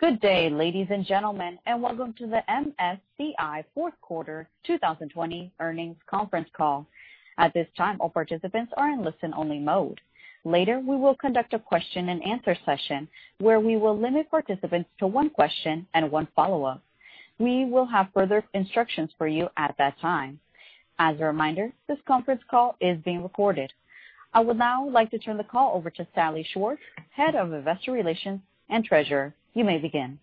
Good day, ladies and gentlemen, and welcome to the MSCI fourth quarter 2020 earnings conference call. At this time, all participants are in listen-only mode. Later, we will conduct a question and answer session where we will limit participants to one question and one follow-up. We will have further instructions for you at that time. As a reminder, this conference call is being recorded. I would now like to turn the call over to Salli Schwartz, Head of Investor Relations and Treasurer. You may begin.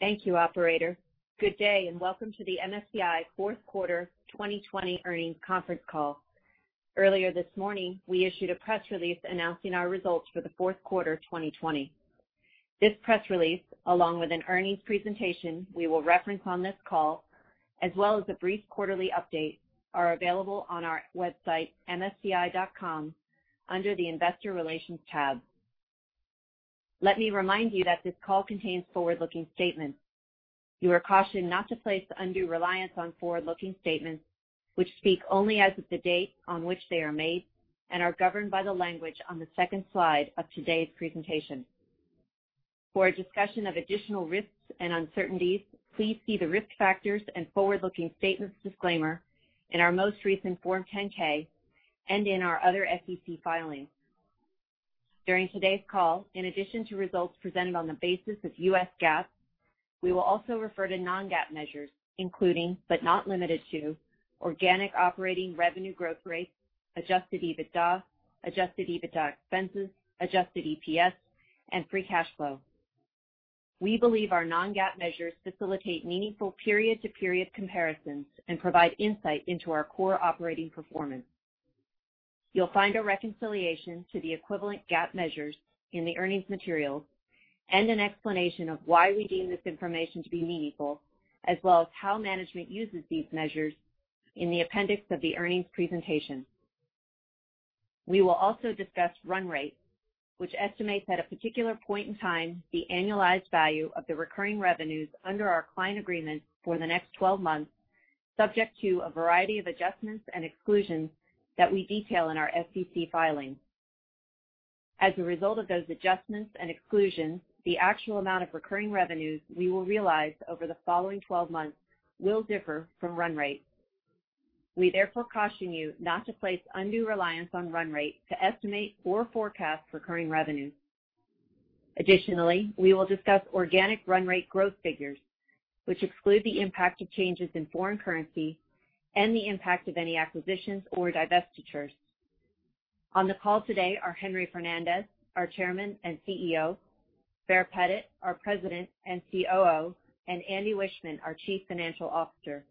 Thank you, operator. Good day, and welcome to the MSCI fourth quarter 2020 earnings conference call. Earlier this morning, we issued a press release announcing our results for the fourth quarter 2020. This press release, along with an earnings presentation we will reference on this call, as well as a brief quarterly update, are available on our website, msci.com, under the Investor Relations tab. Let me remind you that this call contains forward-looking statements. You are cautioned not to place undue reliance on forward-looking statements, which speak only as of the date on which they are made and are governed by the language on the second slide of today's presentation. For a discussion of additional risks and uncertainties, please see the Risk Factors and Forward-Looking Statements Disclaimer in our most recent Form 10-K and in our other SEC filings. During today's call, in addition to results presented on the basis of U.S. GAAP, we will also refer to non-GAAP measures, including, but not limited to, organic operating revenue growth rates, adjusted EBITDA, adjusted EBITDA expenses, adjusted EPS, and free cash flow. We believe our non-GAAP measures facilitate meaningful period-to-period comparisons and provide insight into our core operating performance. You'll find a reconciliation to the equivalent GAAP measures in the earnings materials and an explanation of why we deem this information to be meaningful, as well as how management uses these measures in the appendix of the earnings presentation. We will also discuss run rate, which estimates at a particular point in time, the annualized value of the recurring revenues under our client agreement for the next 12 months, subject to a variety of adjustments and exclusions that we detail in our SEC filings. As a result of those adjustments and exclusions, the actual amount of recurring revenues we will realize over the following 12 months will differ from run rate. We therefore caution you not to place undue reliance on run rate to estimate or forecast recurring revenues. Additionally, we will discuss organic run rate growth figures, which exclude the impact of changes in foreign currency and the impact of any acquisitions or divestitures. On the call today are Henry Fernandez, our Chairman and CEO, Baer Pettit, our President and COO, and Andy Wiechmann, our Chief Financial Officer.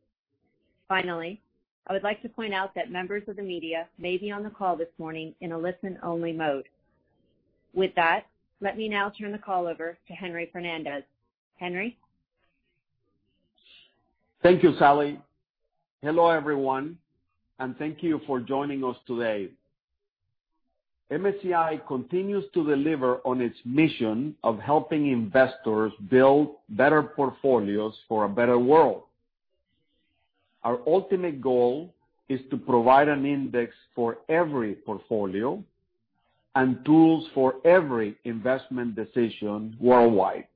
I would like to point out that members of the media may be on the call this morning in a listen-only mode. With that, let me now turn the call over to Henry Fernandez. Henry? Thank you, Salli. Hello, everyone, and thank you for joining us today. MSCI continues to deliver on its mission of helping investors build better portfolios for a better world. Our ultimate goal is to provide an index for every portfolio and tools for every investment decision worldwide.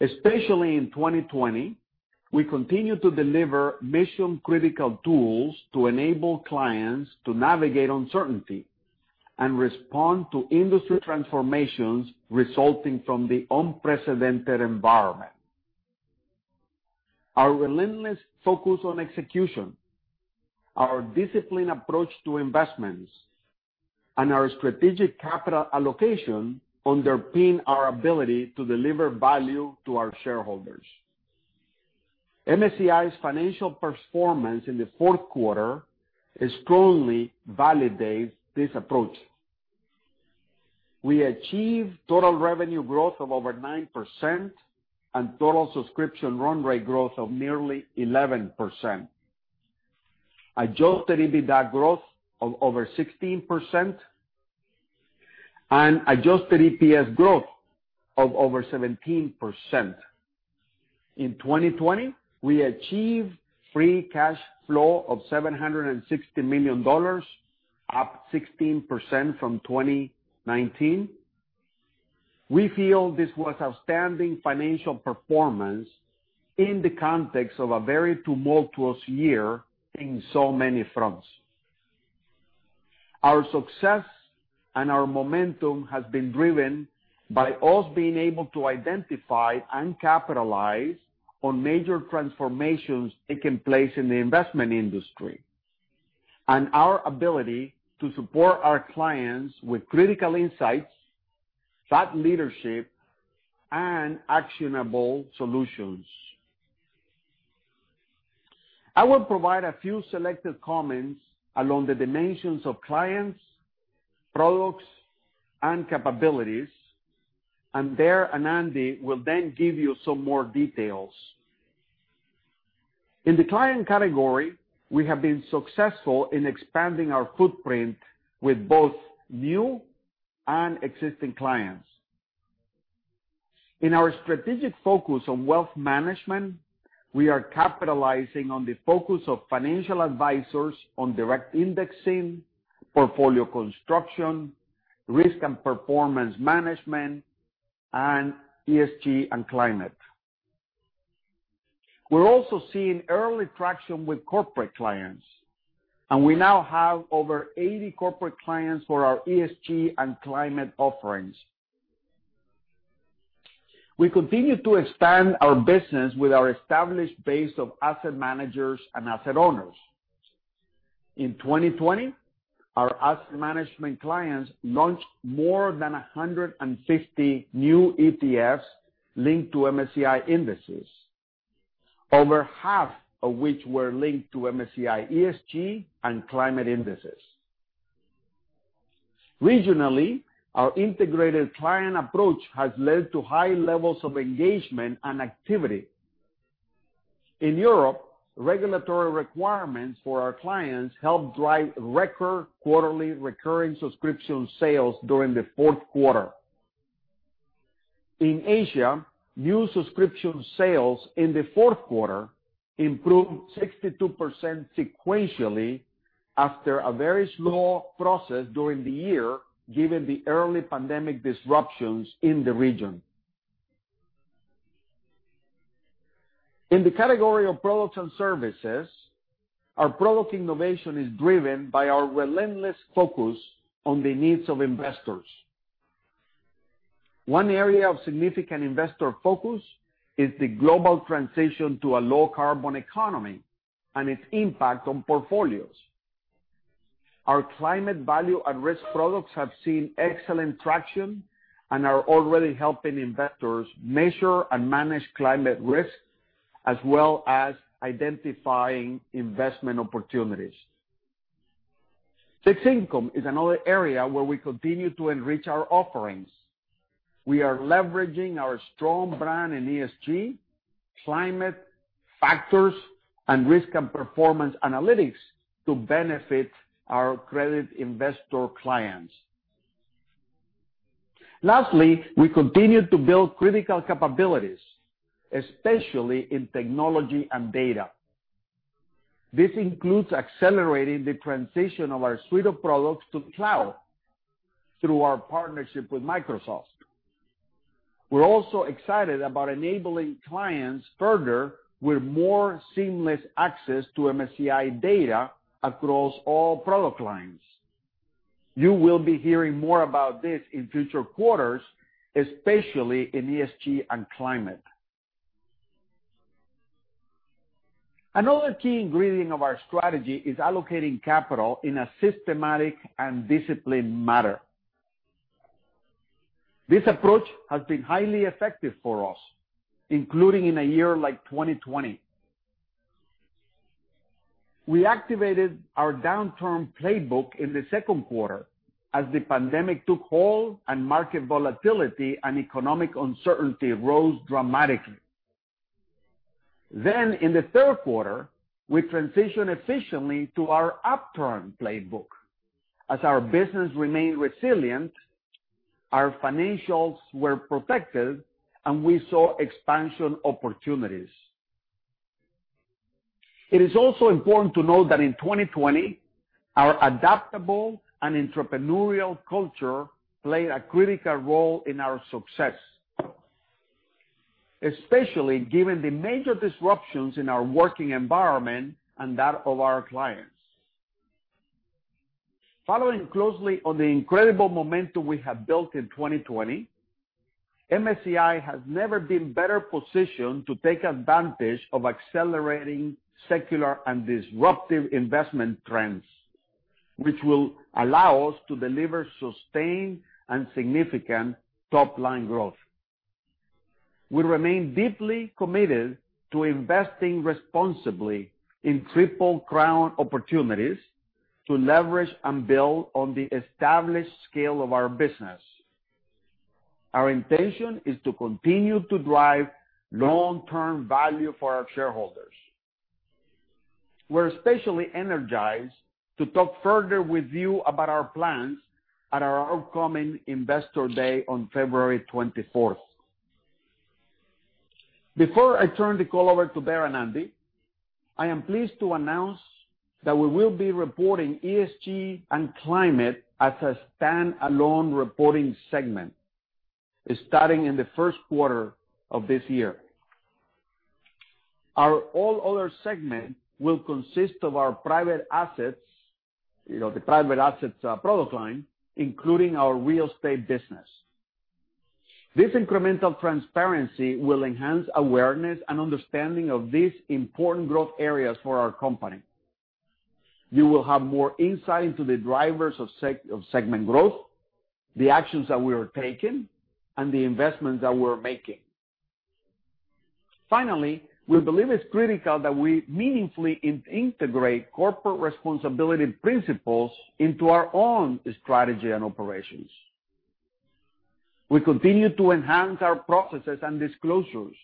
Especially in 2020, we continued to deliver mission-critical tools to enable clients to navigate uncertainty and respond to industry transformations resulting from the unprecedented environment. Our relentless focus on execution, our disciplined approach to investments, and our strategic capital allocation underpin our ability to deliver value to our shareholders. MSCI's financial performance in the fourth quarter strongly validates this approach. We achieved total revenue growth of over 9% and total subscription run rate growth of nearly 11%, adjusted EBITDA growth of over 16%, and adjusted EPS growth of over 17%. In 2020, we achieved free cash flow of $760 million, up 16% from 2019. We feel this was outstanding financial performance in the context of a very tumultuous year in so many fronts. Our success and our momentum has been driven by us being able to identify and capitalize on major transformations taking place in the investment industry and our ability to support our clients with critical insights, thought leadership, and actionable solutions. I will provide a few selected comments along the dimensions of clients, products, and capabilities, and Baer and Andy will then give you some more details. In the client category, we have been successful in expanding our footprint with both new and existing clients. In our strategic focus on wealth management, we are capitalizing on the focus of financial advisors on direct indexing, portfolio construction, risk and performance management, and ESG and climate. We're also seeing early traction with corporate clients, and we now have over 80 corporate clients for our ESG and climate offerings. We continue to expand our business with our established base of asset managers and asset owners. In 2020, our asset management clients launched more than 150 new ETFs linked to MSCI indexes, over half of which were linked to MSCI ESG and climate indexes. Regionally, our integrated client approach has led to high levels of engagement and activity. In Europe, regulatory requirements for our clients helped drive record quarterly recurring subscription sales during the fourth quarter. In Asia, new subscription sales in the fourth quarter improved 62% sequentially after a very slow process during the year, given the early pandemic disruptions in the region. In the category of products and services, our product innovation is driven by our relentless focus on the needs of investors. One area of significant investor focus is the global transition to a low carbon economy and its impact on portfolios. Our Climate Value-at-Risk products have seen excellent traction and are already helping investors measure and manage climate risk, as well as identifying investment opportunities. Fixed income is another area where we continue to enrich our offerings. We are leveraging our strong brand in ESG, climate factors, and risk and performance analytics to benefit our credit investor clients. Lastly, we continue to build critical capabilities, especially in technology and data. This includes accelerating the transition of our suite of products to cloud through our partnership with Microsoft. We're also excited about enabling clients further with more seamless access to MSCI data across all product lines. You will be hearing more about this in future quarters, especially in ESG and climate. Another key ingredient of our strategy is allocating capital in a systematic and disciplined manner. This approach has been highly effective for us, including in a year like 2020. We activated our downturn playbook in the second quarter as the pandemic took hold and market volatility and economic uncertainty rose dramatically. In the third quarter, we transitioned efficiently to our upturn playbook. As our business remained resilient, our financials were protected, and we saw expansion opportunities. It is also important to note that in 2020, our adaptable and entrepreneurial culture played a critical role in our success, especially given the major disruptions in our working environment and that of our clients. Following closely on the incredible momentum we have built in 2020, MSCI has never been better positioned to take advantage of accelerating secular and disruptive investment trends, which will allow us to deliver sustained and significant top-line growth. We remain deeply committed to investing responsibly in Triple Crown opportunities to leverage and build on the established scale of our business. Our intention is to continue to drive long-term value for our shareholders. We're especially energized to talk further with you about our plans at our upcoming Investor Day on February 24th. Before I turn the call over to Baer and Andy, I am pleased to announce that we will be reporting ESG and Climate as a stand-alone reporting segment, starting in the first quarter of this year. Our All Other Segment will consist of our private assets, the private assets product line, including our real estate business. This incremental transparency will enhance awareness and understanding of these important growth areas for our company. You will have more insight into the drivers of segment growth, the actions that we are taking, and the investments that we're making. We believe it's critical that we meaningfully integrate corporate responsibility principles into our own strategy and operations. We continue to enhance our processes and disclosures,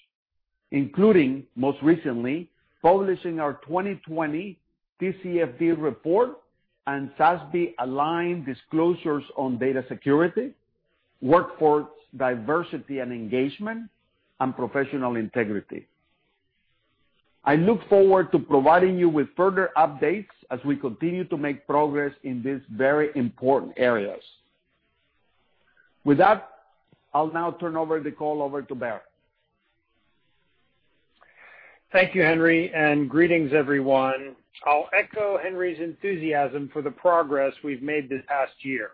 including most recently publishing our 2020 TCFD report and SASB-aligned disclosures on data security, workforce diversity and engagement, and professional integrity. I look forward to providing you with further updates as we continue to make progress in these very important areas. With that, I'll now turn over the call over to Baer. Thank you, Henry, and greetings everyone. I'll echo Henry's enthusiasm for the progress we've made this past year.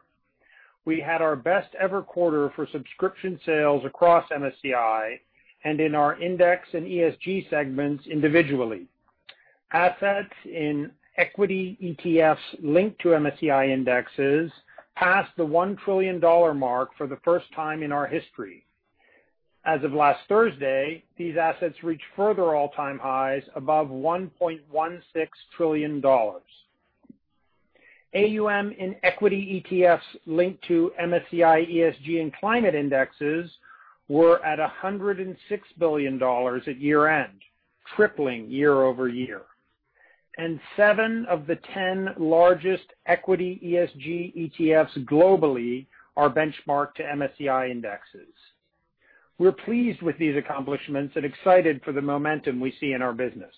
We had our best ever quarter for subscription sales across MSCI and in our Index and ESG segments individually. Assets in equity ETFs linked to MSCI indexes passed the $1 trillion mark for the first time in our history. As of last Thursday, these assets reached further all-time highs above $1.16 trillion. AUM in equity ETFs linked to MSCI ESG and climate indexes were at $106 billion at year-end, tripling year-over-year. Seven of the 10 largest equity ESG ETFs globally are benchmarked to MSCI indexes. We're pleased with these accomplishments and excited for the momentum we see in our business.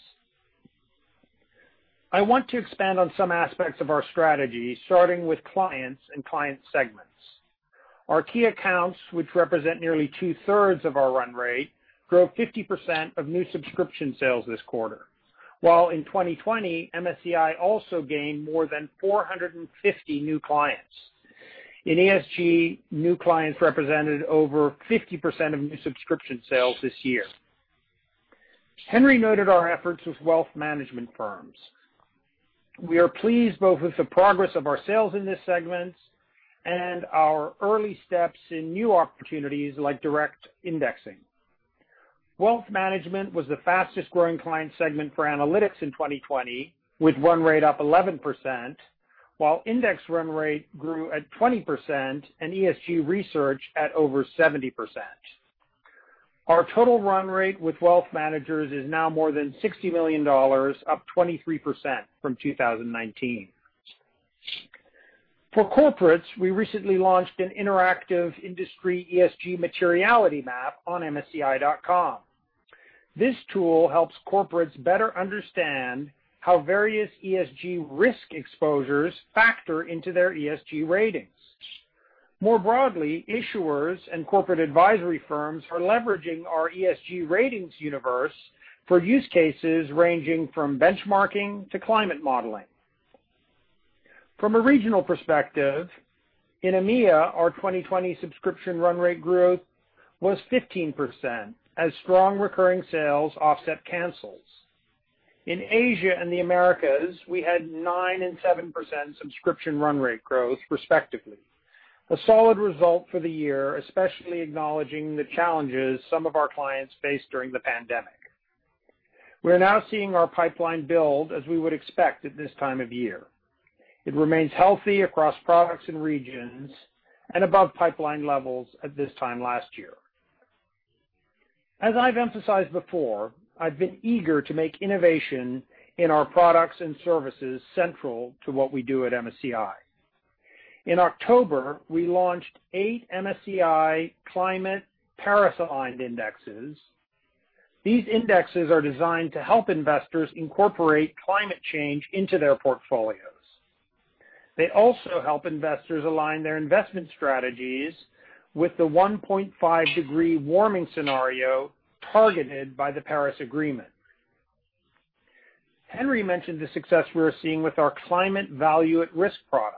I want to expand on some aspects of our strategy, starting with clients and client segments. Our key accounts, which represent nearly two-thirds of our run rate, drove 50% of new subscription sales this quarter. While in 2020, MSCI also gained more than 450 new clients. In ESG, new clients represented over 50% of new subscription sales this year. Henry noted our efforts with wealth management firms. We are pleased both with the progress of our sales in this segment and our early steps in new opportunities like direct indexing. Wealth management was the fastest growing client segment for analytics in 2020, with run rate up 11%, while index run rate grew at 20% and ESG research at over 70%. Our total run rate with wealth managers is now more than $60 million, up 23% from 2019. For corporates, we recently launched an interactive industry ESG materiality map on msci.com. This tool helps corporates better understand how various ESG risk exposures factor into their ESG ratings. More broadly, issuers and corporate advisory firms are leveraging our ESG ratings universe for use cases ranging from benchmarking to climate modeling. From a regional perspective, in EMEA, our 2020 subscription run rate growth was 15%, as strong recurring sales offset cancels. In Asia and the Americas, we had 9% and 7% subscription run rate growth, respectively. A solid result for the year, especially acknowledging the challenges some of our clients faced during the pandemic. We're now seeing our pipeline build, as we would expect at this time of year. It remains healthy across products and regions and above pipeline levels at this time last year. As I've emphasized before, I've been eager to make innovation in our products and services central to what we do at MSCI. In October, we launched eight MSCI Climate Paris-Aligned Indexes. These indexes are designed to help investors incorporate climate change into their portfolios. They also help investors align their investment strategies with the 1.5-degree warming scenario targeted by the Paris Agreement. Henry mentioned the success we are seeing with our Climate Value-at-Risk products.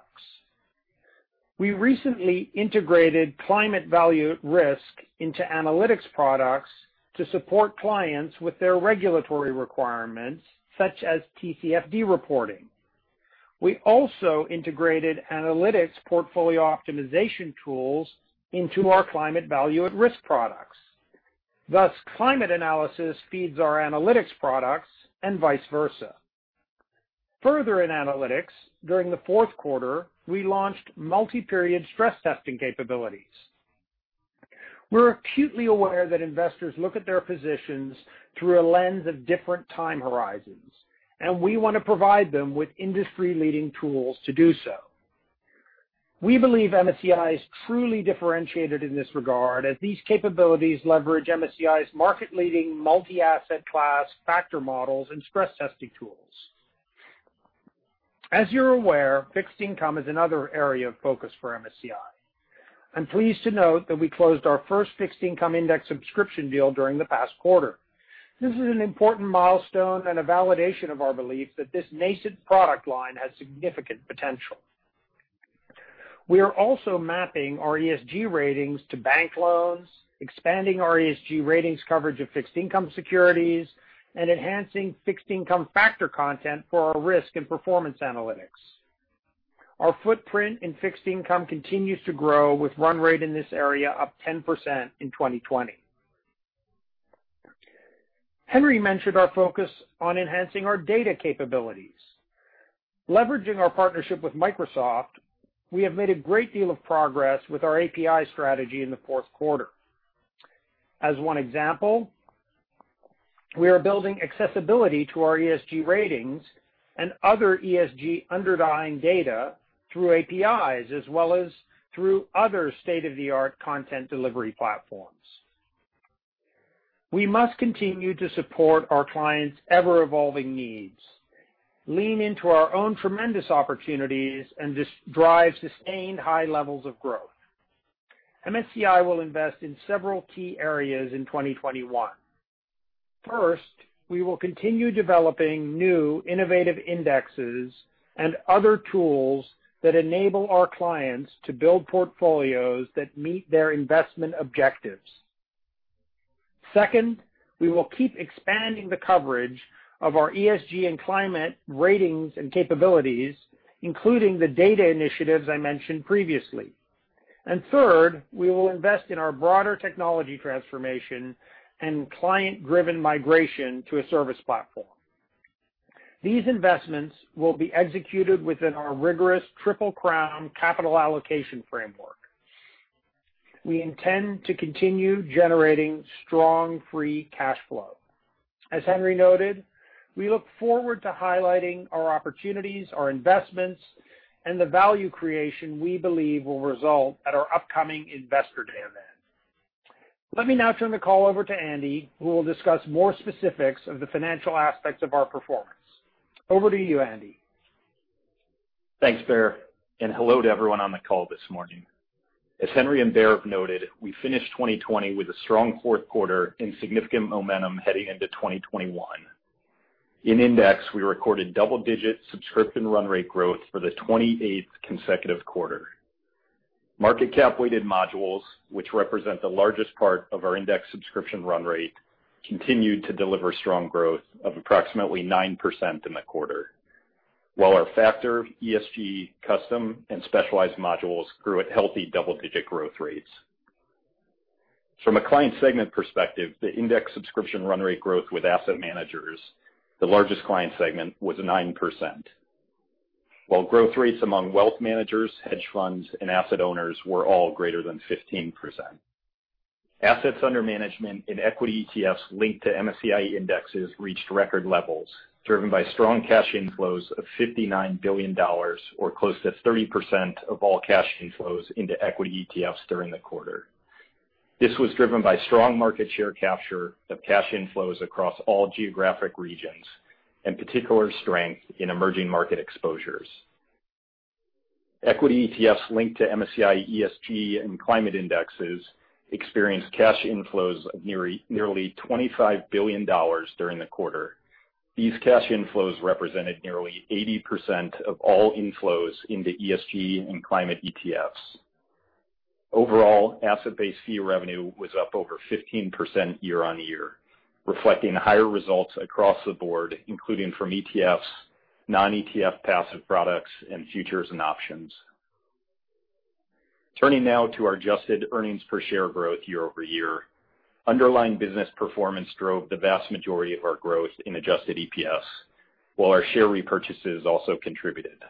We recently integrated Climate Value-at-Risk into analytics products to support clients with their regulatory requirements, such as TCFD reporting. We also integrated analytics portfolio optimization tools into our Climate Value-at-Risk products. Climate analysis feeds our analytics products and vice versa. Further in analytics, during the fourth quarter, we launched multi-period stress testing capabilities. We're acutely aware that investors look at their positions through a lens of different time horizons, and we want to provide them with industry-leading tools to do so. We believe MSCI is truly differentiated in this regard, as these capabilities leverage MSCI's market-leading multi-asset class factor models and stress testing tools. As you're aware, fixed income is another area of focus for MSCI. I'm pleased to note that we closed our first fixed income index subscription deal during the past quarter. This is an important milestone and a validation of our belief that this nascent product line has significant potential. We are also mapping our ESG ratings to bank loans, expanding our ESG ratings coverage of fixed income securities, and enhancing fixed income factor content for our risk and performance analytics. Our footprint in fixed income continues to grow, with run rate in this area up 10% in 2020. Henry mentioned our focus on enhancing our data capabilities. Leveraging our partnership with Microsoft, we have made a great deal of progress with our API strategy in the fourth quarter. As one example, we are building accessibility to our ESG ratings and other ESG underlying data through APIs as well as through other state-of-the-art content delivery platforms. We must continue to support our clients' ever-evolving needs, lean into our own tremendous opportunities, and drive sustained high levels of growth. MSCI will invest in several key areas in 2021. First, we will continue developing new innovative indexes and other tools that enable our clients to build portfolios that meet their investment objectives. Second, we will keep expanding the coverage of our ESG and climate ratings and capabilities, including the data initiatives I mentioned previously. Third, we will invest in our broader technology transformation and client-driven migration to a service platform. These investments will be executed within our rigorous Triple Crown capital allocation framework. We intend to continue generating strong free cash flow. As Henry noted, we look forward to highlighting our opportunities, our investments, and the value creation we believe will result at our upcoming Investor Day event. Let me now turn the call over to Andy, who will discuss more specifics of the financial aspects of our performance. Over to you, Andy. Thanks, Baer, hello to everyone on the call this morning. As Henry and Baer noted, we finished 2020 with a strong fourth quarter and significant momentum heading into 2021. In Index, we recorded double-digit subscription run rate growth for the 28th consecutive quarter. Market cap-weighted modules, which represent the largest part of our Index subscription run rate, continued to deliver strong growth of approximately 9% in the quarter, while our factor, ESG, custom, and specialized modules grew at healthy double-digit growth rates. From a client segment perspective, the Index subscription run rate growth with asset managers, the largest client segment, was 9%, while growth rates among wealth managers, hedge funds, and asset owners were all greater than 15%. Assets under management in equity ETFs linked to MSCI indexes reached record levels, driven by strong cash inflows of $59 billion or close to 30% of all cash inflows into equity ETFs during the quarter. This was driven by strong market share capture of cash inflows across all geographic regions and particular strength in emerging market exposures. Equity ETFs linked to MSCI ESG and climate indexes experienced cash inflows of nearly $25 billion during the quarter. These cash inflows represented nearly 80% of all inflows into ESG and climate ETFs. Overall, asset-based fee revenue was up over 15% year-on-year, reflecting higher results across the board, including from ETFs, non-ETF passive products, and futures and options. Turning now to our adjusted earnings per share growth year-over-year. Underlying business performance drove the vast majority of our growth in adjusted EPS, while our share repurchases also contributed.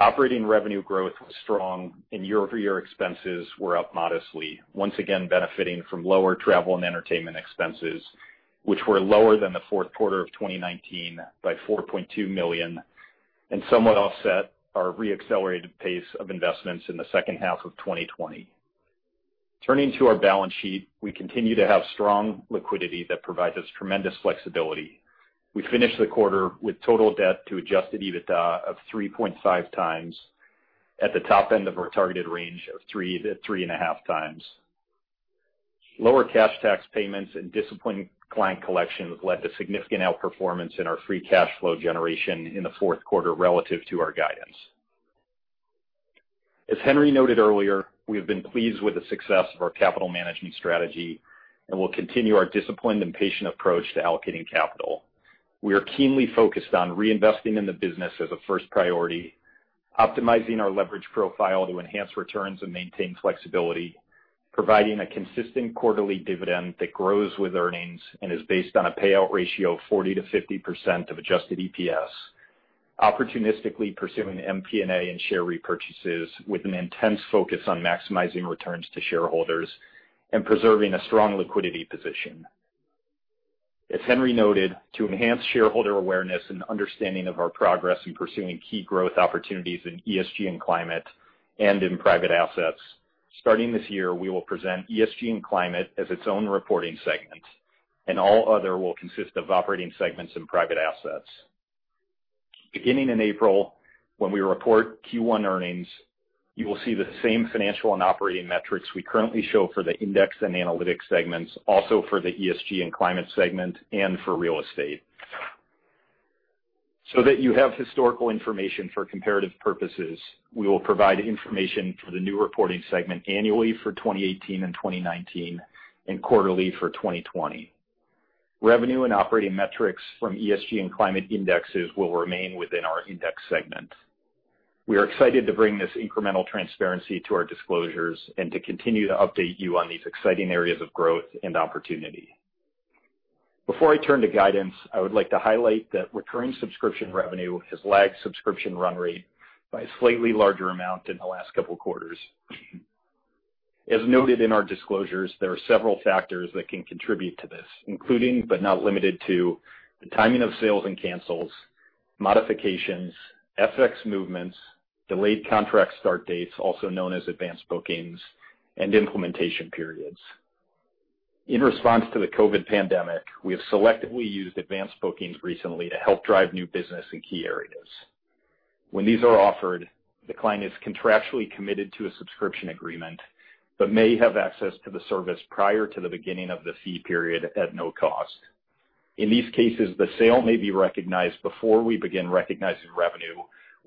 Operating revenue growth was strong and year-over-year expenses were up modestly, once again benefiting from lower travel and entertainment expenses, which were lower than the fourth quarter of 2019 by $4.2 million and somewhat offset our re-accelerated pace of investments in the second half of 2020. Turning to our balance sheet, we continue to have strong liquidity that provides us tremendous flexibility. We finished the quarter with total debt to adjusted EBITDA of 3.5x at the top end of our targeted range of 3x to 3.5x. Lower cash tax payments and disciplined client collections led to significant outperformance in our free cash flow generation in the fourth quarter relative to our guidance. As Henry noted earlier, we have been pleased with the success of our capital management strategy and will continue our disciplined and patient approach to allocating capital. We are keenly focused on reinvesting in the business as a first priority, optimizing our leverage profile to enhance returns and maintain flexibility, providing a consistent quarterly dividend that grows with earnings and is based on a payout ratio of 40% to 50% of adjusted EPS, opportunistically pursuing M&A and share repurchases with an intense focus on maximizing returns to shareholders and preserving a strong liquidity position. As Henry noted, to enhance shareholder awareness and understanding of our progress in pursuing key growth opportunities in ESG and Climate and in private assets, starting this year, we will present ESG and Climate as its own reporting segment, and all other will consist of operating segments and private assets. Beginning in April, when we report Q1 earnings, you will see the same financial and operating metrics we currently show for the Index and Analytics segments also for the ESG and Climate segment and for Real Estate. That you have historical information for comparative purposes, we will provide information for the new reporting segment annually for 2018 and 2019, and quarterly for 2020. Revenue and operating metrics from ESG and Climate Indexes will remain within our Index segment. We are excited to bring this incremental transparency to our disclosures and to continue to update you on these exciting areas of growth and opportunity. Before I turn to guidance, I would like to highlight that recurring subscription revenue has lagged subscription run rate by a slightly larger amount in the last couple of quarters. As noted in our disclosures, there are several factors that can contribute to this, including, but not limited to, the timing of sales and cancels, modifications, FX movements, delayed contract start dates, also known as advanced bookings, and implementation periods. In response to the COVID pandemic, we have selectively used advanced bookings recently to help drive new business in key areas. When these are offered, the client is contractually committed to a subscription agreement but may have access to the service prior to the beginning of the fee period at no cost. In these cases, the sale may be recognized before we begin recognizing revenue,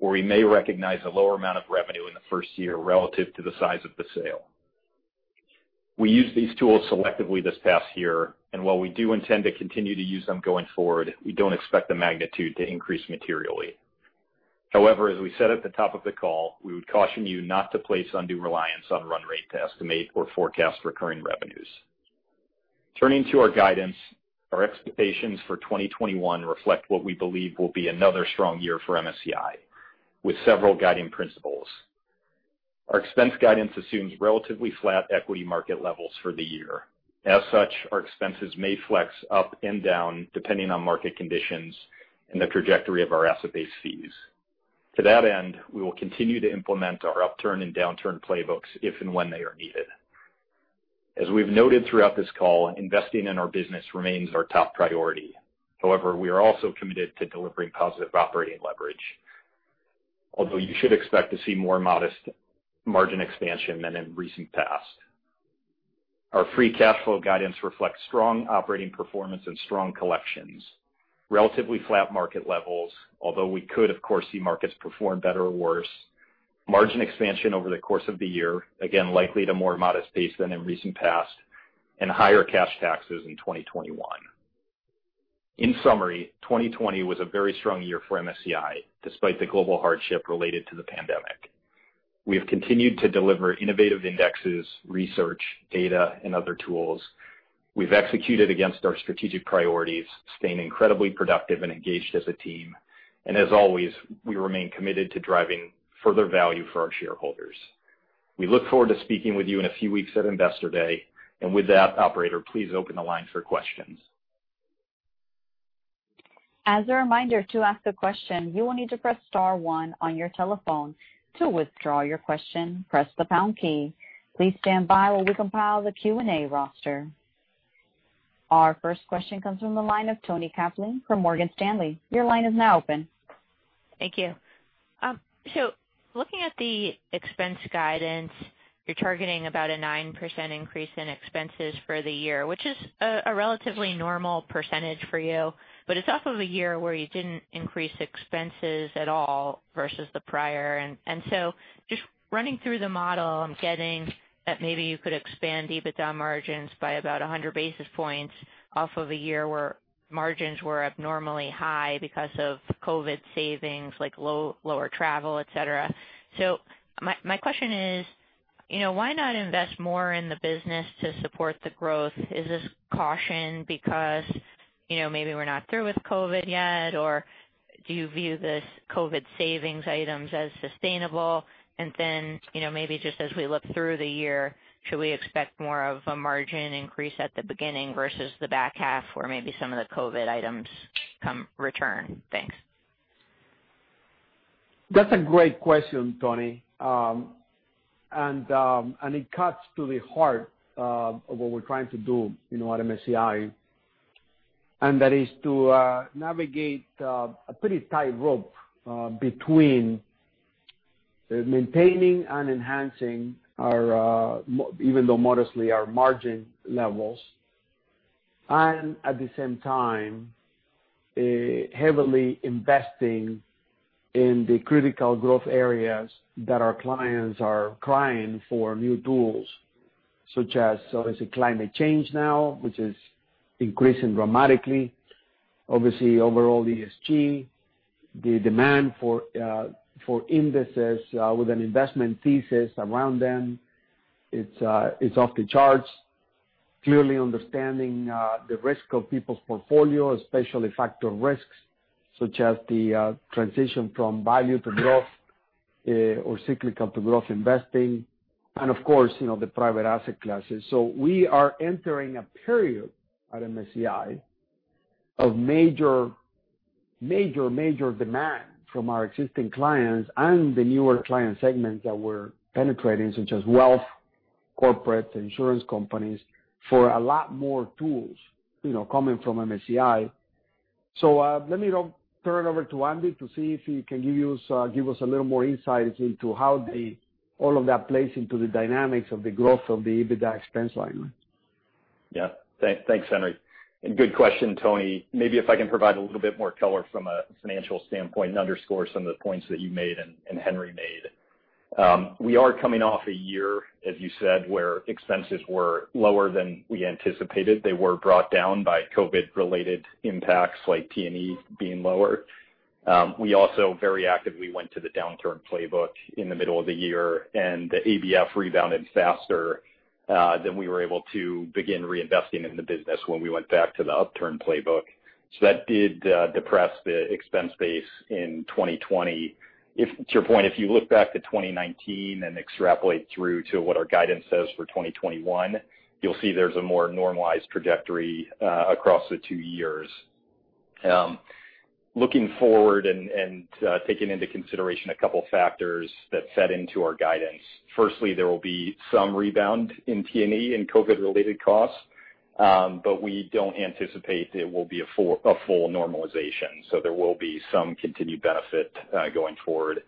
or we may recognize a lower amount of revenue in the first year relative to the size of the sale. We used these tools selectively this past year, and while we do intend to continue to use them going forward, we don't expect the magnitude to increase materially. However, as we said at the top of the call, we would caution you not to place undue reliance on run rate to estimate or forecast recurring revenues. Turning to our guidance, our expectations for 2021 reflect what we believe will be another strong year for MSCI, with several guiding principles. Our expense guidance assumes relatively flat equity market levels for the year. As such, our expenses may flex up and down depending on market conditions and the trajectory of our asset-based fees. To that end, we will continue to implement our upturn and downturn playbooks if and when they are needed. As we've noted throughout this call, investing in our business remains our top priority. However, we are also committed to delivering positive operating leverage, although you should expect to see more modest margin expansion than in recent past. Our free cash flow guidance reflects strong operating performance and strong collections, relatively flat market levels, although we could, of course, see markets perform better or worse, margin expansion over the course of the year, again, likely at a more modest pace than in recent past, and higher cash taxes in 2021. In summary, 2020 was a very strong year for MSCI, despite the global hardship related to the pandemic. We have continued to deliver innovative indexes, research, data, and other tools. We've executed against our strategic priorities, staying incredibly productive and engaged as a team. As always, we remain committed to driving further value for our shareholders. We look forward to speaking with you in a few weeks at Investor Day. With that, operator, please open the line for questions. As a reminder, to ask a question, you will need to press star one on your telephone. To withdraw your question, press the pound key. Please stand by while we compile the Q&A roster. Our first question comes from the line of Toni Kaplan from Morgan Stanley. Your line is now open. Thank you. Looking at the expense guidance, you're targeting about a 9% increase in expenses for the year, which is a relatively normal percentage for you, but it's off of a year where you didn't increase expenses at all versus the prior. Just running through the model, I'm getting that maybe you could expand EBITDA margins by about 100 basis points off of a year where margins were abnormally high because of COVID savings, like lower travel, et cetera. My question is, why not invest more in the business to support the growth? Is this caution because maybe we're not through with COVID yet? Do you view these COVID savings items as sustainable? Maybe just as we look through the year, should we expect more of a margin increase at the beginning versus the back half where maybe some of the COVID items return? Thanks. That's a great question, Toni. It cuts to the heart of what we're trying to do at MSCI, and that is to navigate a pretty tight rope between maintaining and enhancing, even though modestly, our margin levels and, at the same time, heavily investing in the critical growth areas that our clients are crying for new tools, such as climate change now, which is increasing dramatically. Obviously, overall ESG, the demand for indices with an investment thesis around them, it's off the charts. Clearly understanding the risk of people's portfolio, especially factor risks such as the transition from value to growth or cyclical to growth investing. Of course, the private asset classes. We are entering a period at MSCI of major demand from our existing clients and the newer client segments that we're penetrating, such as wealth, corporates, insurance companies, for a lot more tools coming from MSCI. Let me now turn it over to Andy to see if he can give us a little more insight as to how all of that plays into the dynamics of the growth of the EBITDA expense line. Yeah. Thanks, Henry. Good question, Toni. Maybe if I can provide a little bit more color from a financial standpoint and underscore some of the points that you made and Henry made. We are coming off a year, as you said, where expenses were lower than we anticipated. They were brought down by COVID-related impacts like T&E being lower. We also very actively went to the downturn playbook in the middle of the year, and the ABF rebounded faster than we were able to begin reinvesting in the business when we went back to the upturn playbook. That did depress the expense base in 2020. To your point, if you look back to 2019 and extrapolate through to what our guidance says for 2021, you'll see there's a more normalized trajectory across the two years. Looking forward, and taking into consideration a couple factors that fed into our guidance. Firstly, there will be some rebound in T&E and COVID-related costs, but we don't anticipate it will be a full normalization. There will be some continued benefit, going forward.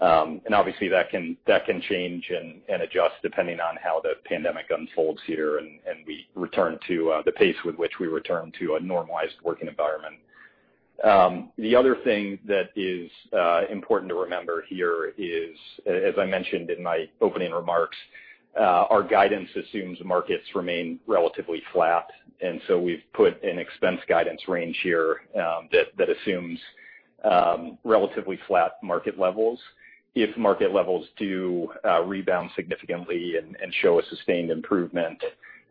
Obviously that can change and adjust depending on how the pandemic unfolds here, and the pace with which we return to a normalized working environment. The other thing that is important to remember here is, as I mentioned in my opening remarks, our guidance assumes markets remain relatively flat, and so we've put an expense guidance range here that assumes relatively flat market levels. If market levels do rebound significantly and show a sustained improvement,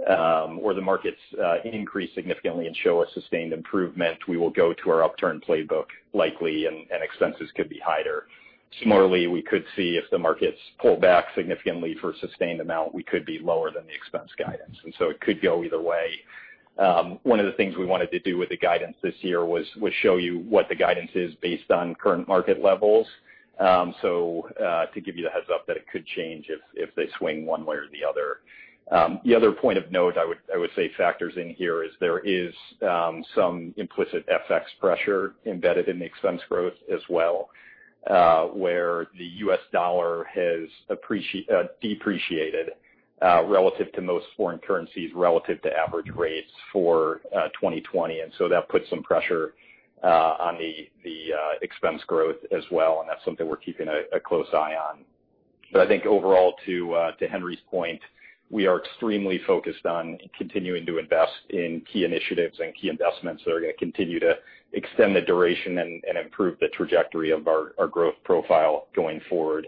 or the markets increase significantly and show a sustained improvement, we will go to our upturn playbook, likely, and expenses could be higher. Similarly, we could see if the markets pull back significantly for a sustained amount, we could be lower than the expense guidance. It could go either way. One of the things we wanted to do with the guidance this year was show you what the guidance is based on current market levels. To give you the heads-up that it could change if they swing one way or the other. The other point of note I would say factors in here is there is some implicit FX pressure embedded in the expense growth as well, where the US dollar has depreciated relative to most foreign currencies, relative to average rates for 2020. That puts some pressure on the expense growth as well, and that's something we're keeping a close eye on. I think overall, to Henry's point, we are extremely focused on continuing to invest in key initiatives and key investments that are going to continue to extend the duration and improve the trajectory of our growth profile going forward.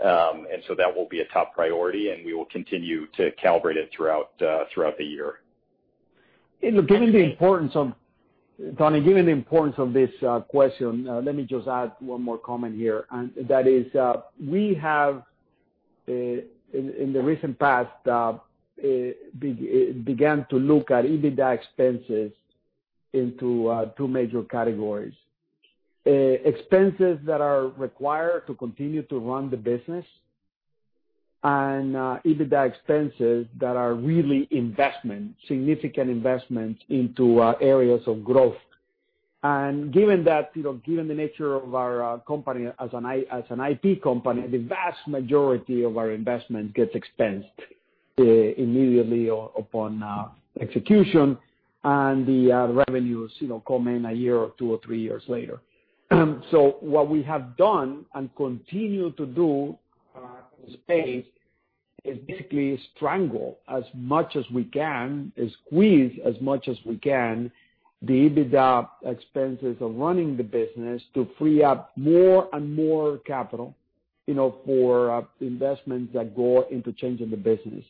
That will be a top priority, and we will continue to calibrate it throughout the year. Toni, given the importance of this question, let me just add one more comment here, and that is, we have, in the recent past, began to look at EBITDA expenses into two major categories. Expenses that are required to continue to run the business, and EBITDA expenses that are really investment, significant investment into areas of growth. Given the nature of our company as an IT company, the vast majority of our investment gets expensed immediately upon execution, and the revenues come in a year or two or three years later. What we have done, and continue to do in this space, is basically strangle as much as we can, and squeeze as much as we can, the EBITDA expenses of running the business to free up more and more capital for investments that go into changing the business.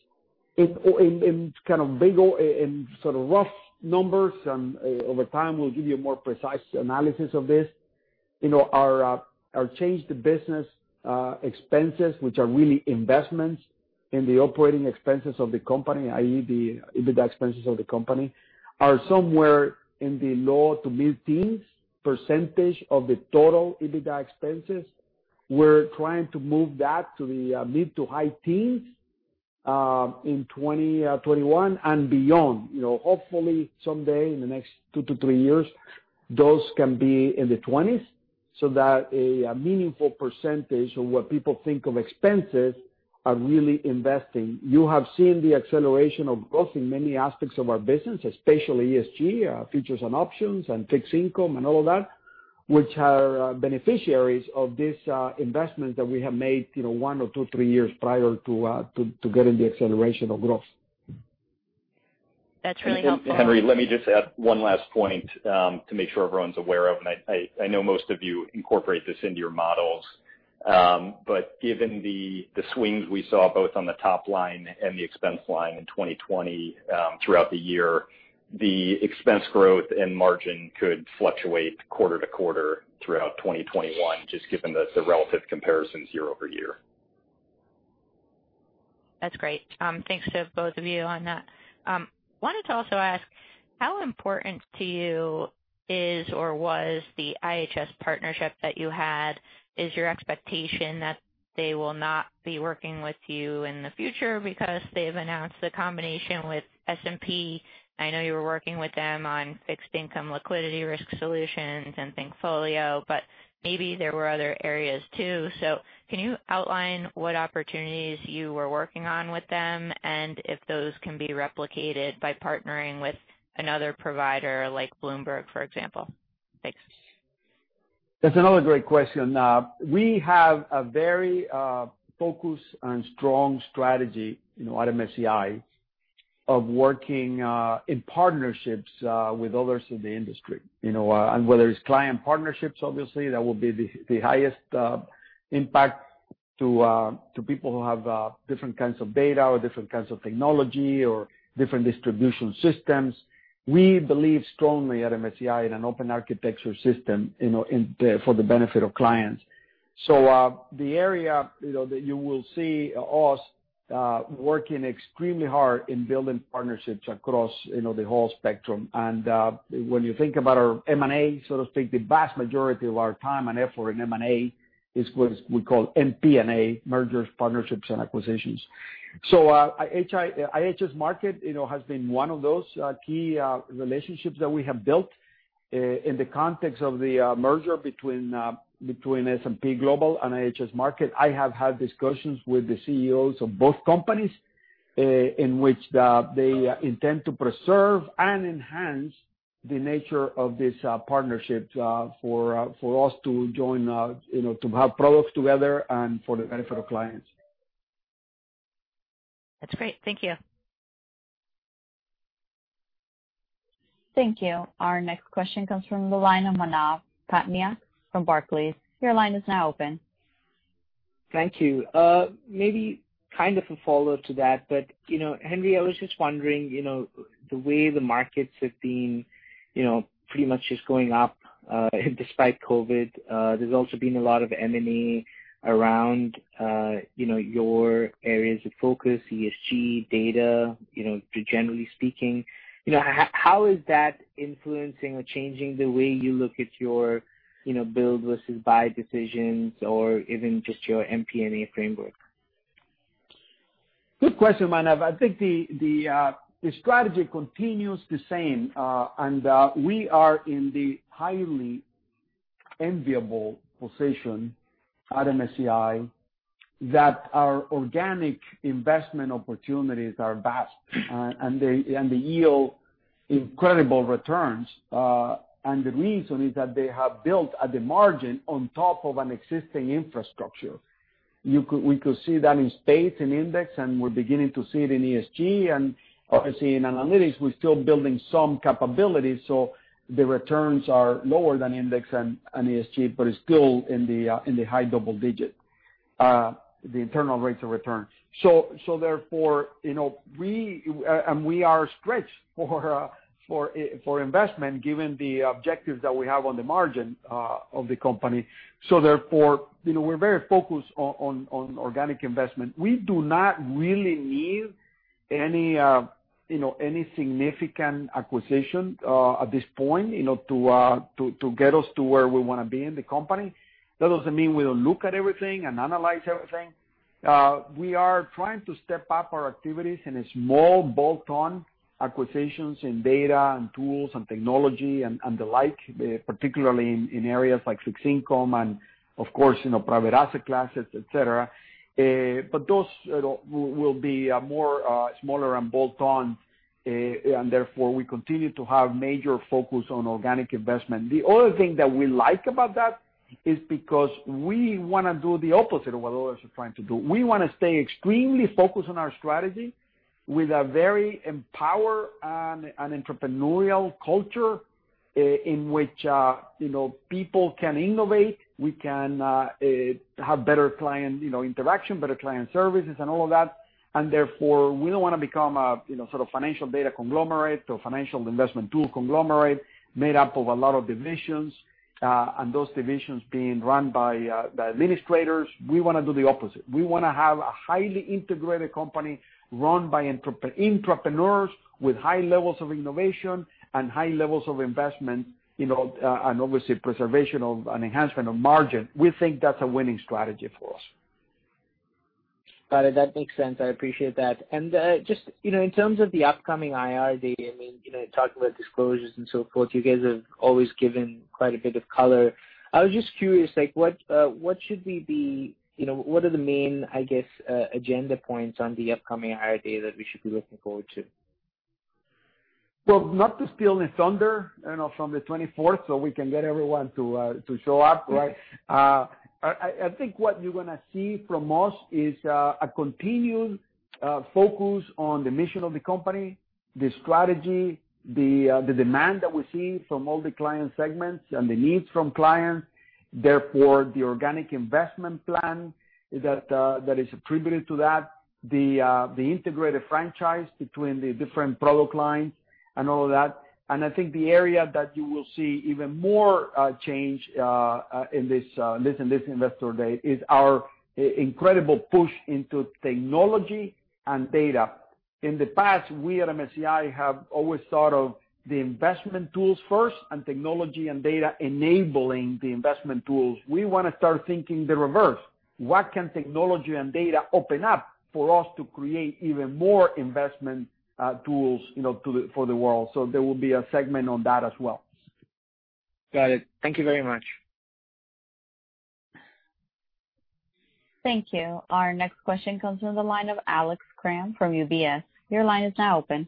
In sort of rough numbers, and over time, we'll give you a more precise analysis of this. Our change to business expenses, which are really investments in the operating expenses of the company, i.e., the EBITDA expenses of the company, are somewhere in the low to mid-teens % of the total EBITDA expenses. We're trying to move that to the mid to high teens in 2021 and beyond. Hopefully someday in the next two to three years, those can be in the 20s, so that a meaningful % of what people think of expenses are really investing. You have seen the acceleration of growth in many aspects of our business, especially ESG, features and options, and fixed income and all of that, which are beneficiaries of this investment that we have made one or two, three years prior to getting the acceleration of growth. That's really helpful. Henry, let me just add one last point to make sure everyone's aware of, and I know most of you incorporate this into your models. Given the swings we saw both on the top line and the expense line in 2020 throughout the year, the expense growth and margin could fluctuate quarter to quarter throughout 2021, just given the relative comparisons year over year. That's great. Thanks to both of you on that. Wanted to also ask, how important to you is or was the IHS partnership that you had? Is your expectation that they will not be working with you in the future because they've announced the combination with S&P? I know you were working with them on fixed income liquidity risk solutions and thinkFolio, but maybe there were other areas, too. Can you outline what opportunities you were working on with them, and if those can be replicated by partnering with another provider, like Bloomberg, for example? Thanks. That's another great question. We have a very focused and strong strategy in MSCI of working in partnerships with others in the industry. Whether it's client partnerships, obviously, that will be the highest impact to people who have different kinds of data or different kinds of technology or different distribution systems. We believe strongly at MSCI in an open architecture system for the benefit of clients. The area that you will see us working extremely hard in building partnerships across the whole spectrum. When you think about our M&A, the vast majority of our time and effort in M&A is what we call MP&A, mergers, partnerships and acquisitions. IHS Markit has been one of those key relationships that we have built in the context of the merger between S&P Global and IHS Markit. I have had discussions with the CEOs of both companies, in which they intend to preserve and enhance the nature of this partnership for us to have products together and for the benefit of clients. That's great. Thank you. Thank you. Our next question comes from the line of Manav Patnaik from Barclays. Your line is now open. Thank you. Maybe kind of a follow to that. Henry, I was just wondering, the way the markets have been pretty much just going up despite COVID, there's also been a lot of M&A around your areas of focus, ESG data, generally speaking. How is that influencing or changing the way you look at your build versus buy decisions or even just your MP&A framework? Good question, Manav. I think the strategy continues the same, and we are in the highly enviable position at MSCI that our organic investment opportunities are vast, and they yield incredible returns. The reason is that they have built at the margin on top of an existing infrastructure. We could see that in spades and index, and we're beginning to see it in ESG and obviously in analytics. We're still building some capability, so the returns are lower than index and ESG, but it's still in the high double digit, the internal rates of return. We are stretched for investment given the objectives that we have on the margin of the company. We're very focused on organic investment. We do not really need any significant acquisition at this point to get us to where we want to be in the company. That doesn't mean we don't look at everything and analyze everything. We are trying to step up our activities in a small bolt-on acquisitions in data and tools and technology and the like, particularly in areas like fixed income and of course, private asset classes, et cetera. those will be more smaller and bolt-on, and therefore, we continue to have major focus on organic investment. The other thing that we like about that is because we want to do the opposite of what others are trying to do. We want to stay extremely focused on our strategy with a very empowered and entrepreneurial culture in which people can innovate, we can have better client interaction, better client services and all of that. Therefore, we don't want to become a sort of financial data conglomerate or financial investment tool conglomerate made up of a lot of divisions, and those divisions being run by administrators. We want to do the opposite. We want to have a highly integrated company run by intrapreneurs with high levels of innovation and high levels of investment, and obviously preservation of and enhancement of margin. We think that's a winning strategy for us. Got it. That makes sense. I appreciate that. just in terms of the upcoming IR day, talking about disclosures and so forth, you guys have always given quite a bit of color. I was just curious, what are the main, I guess, agenda points on the upcoming IR day that we should be looking forward to? Well, not to steal the thunder from the 24th so we can get everyone to show up, right? I think what you're going to see from us is a continued focus on the mission of the company, the strategy, the demand that we're seeing from all the client segments and the needs from clients, therefore, the organic investment plan that is attributed to that, the integrated franchise between the different product lines and all of that. I think the area that you will see even more change in this investor day is our incredible push into technology and data. In the past, we at MSCI have always thought of the investment tools first and technology and data enabling the investment tools. We want to start thinking the reverse. What can technology and data open up for us to create even more investment tools for the world? There will be a segment on that as well. Got it. Thank you very much. Thank you. Our next question comes from the line of Alex Kramm from UBS. Your line is now open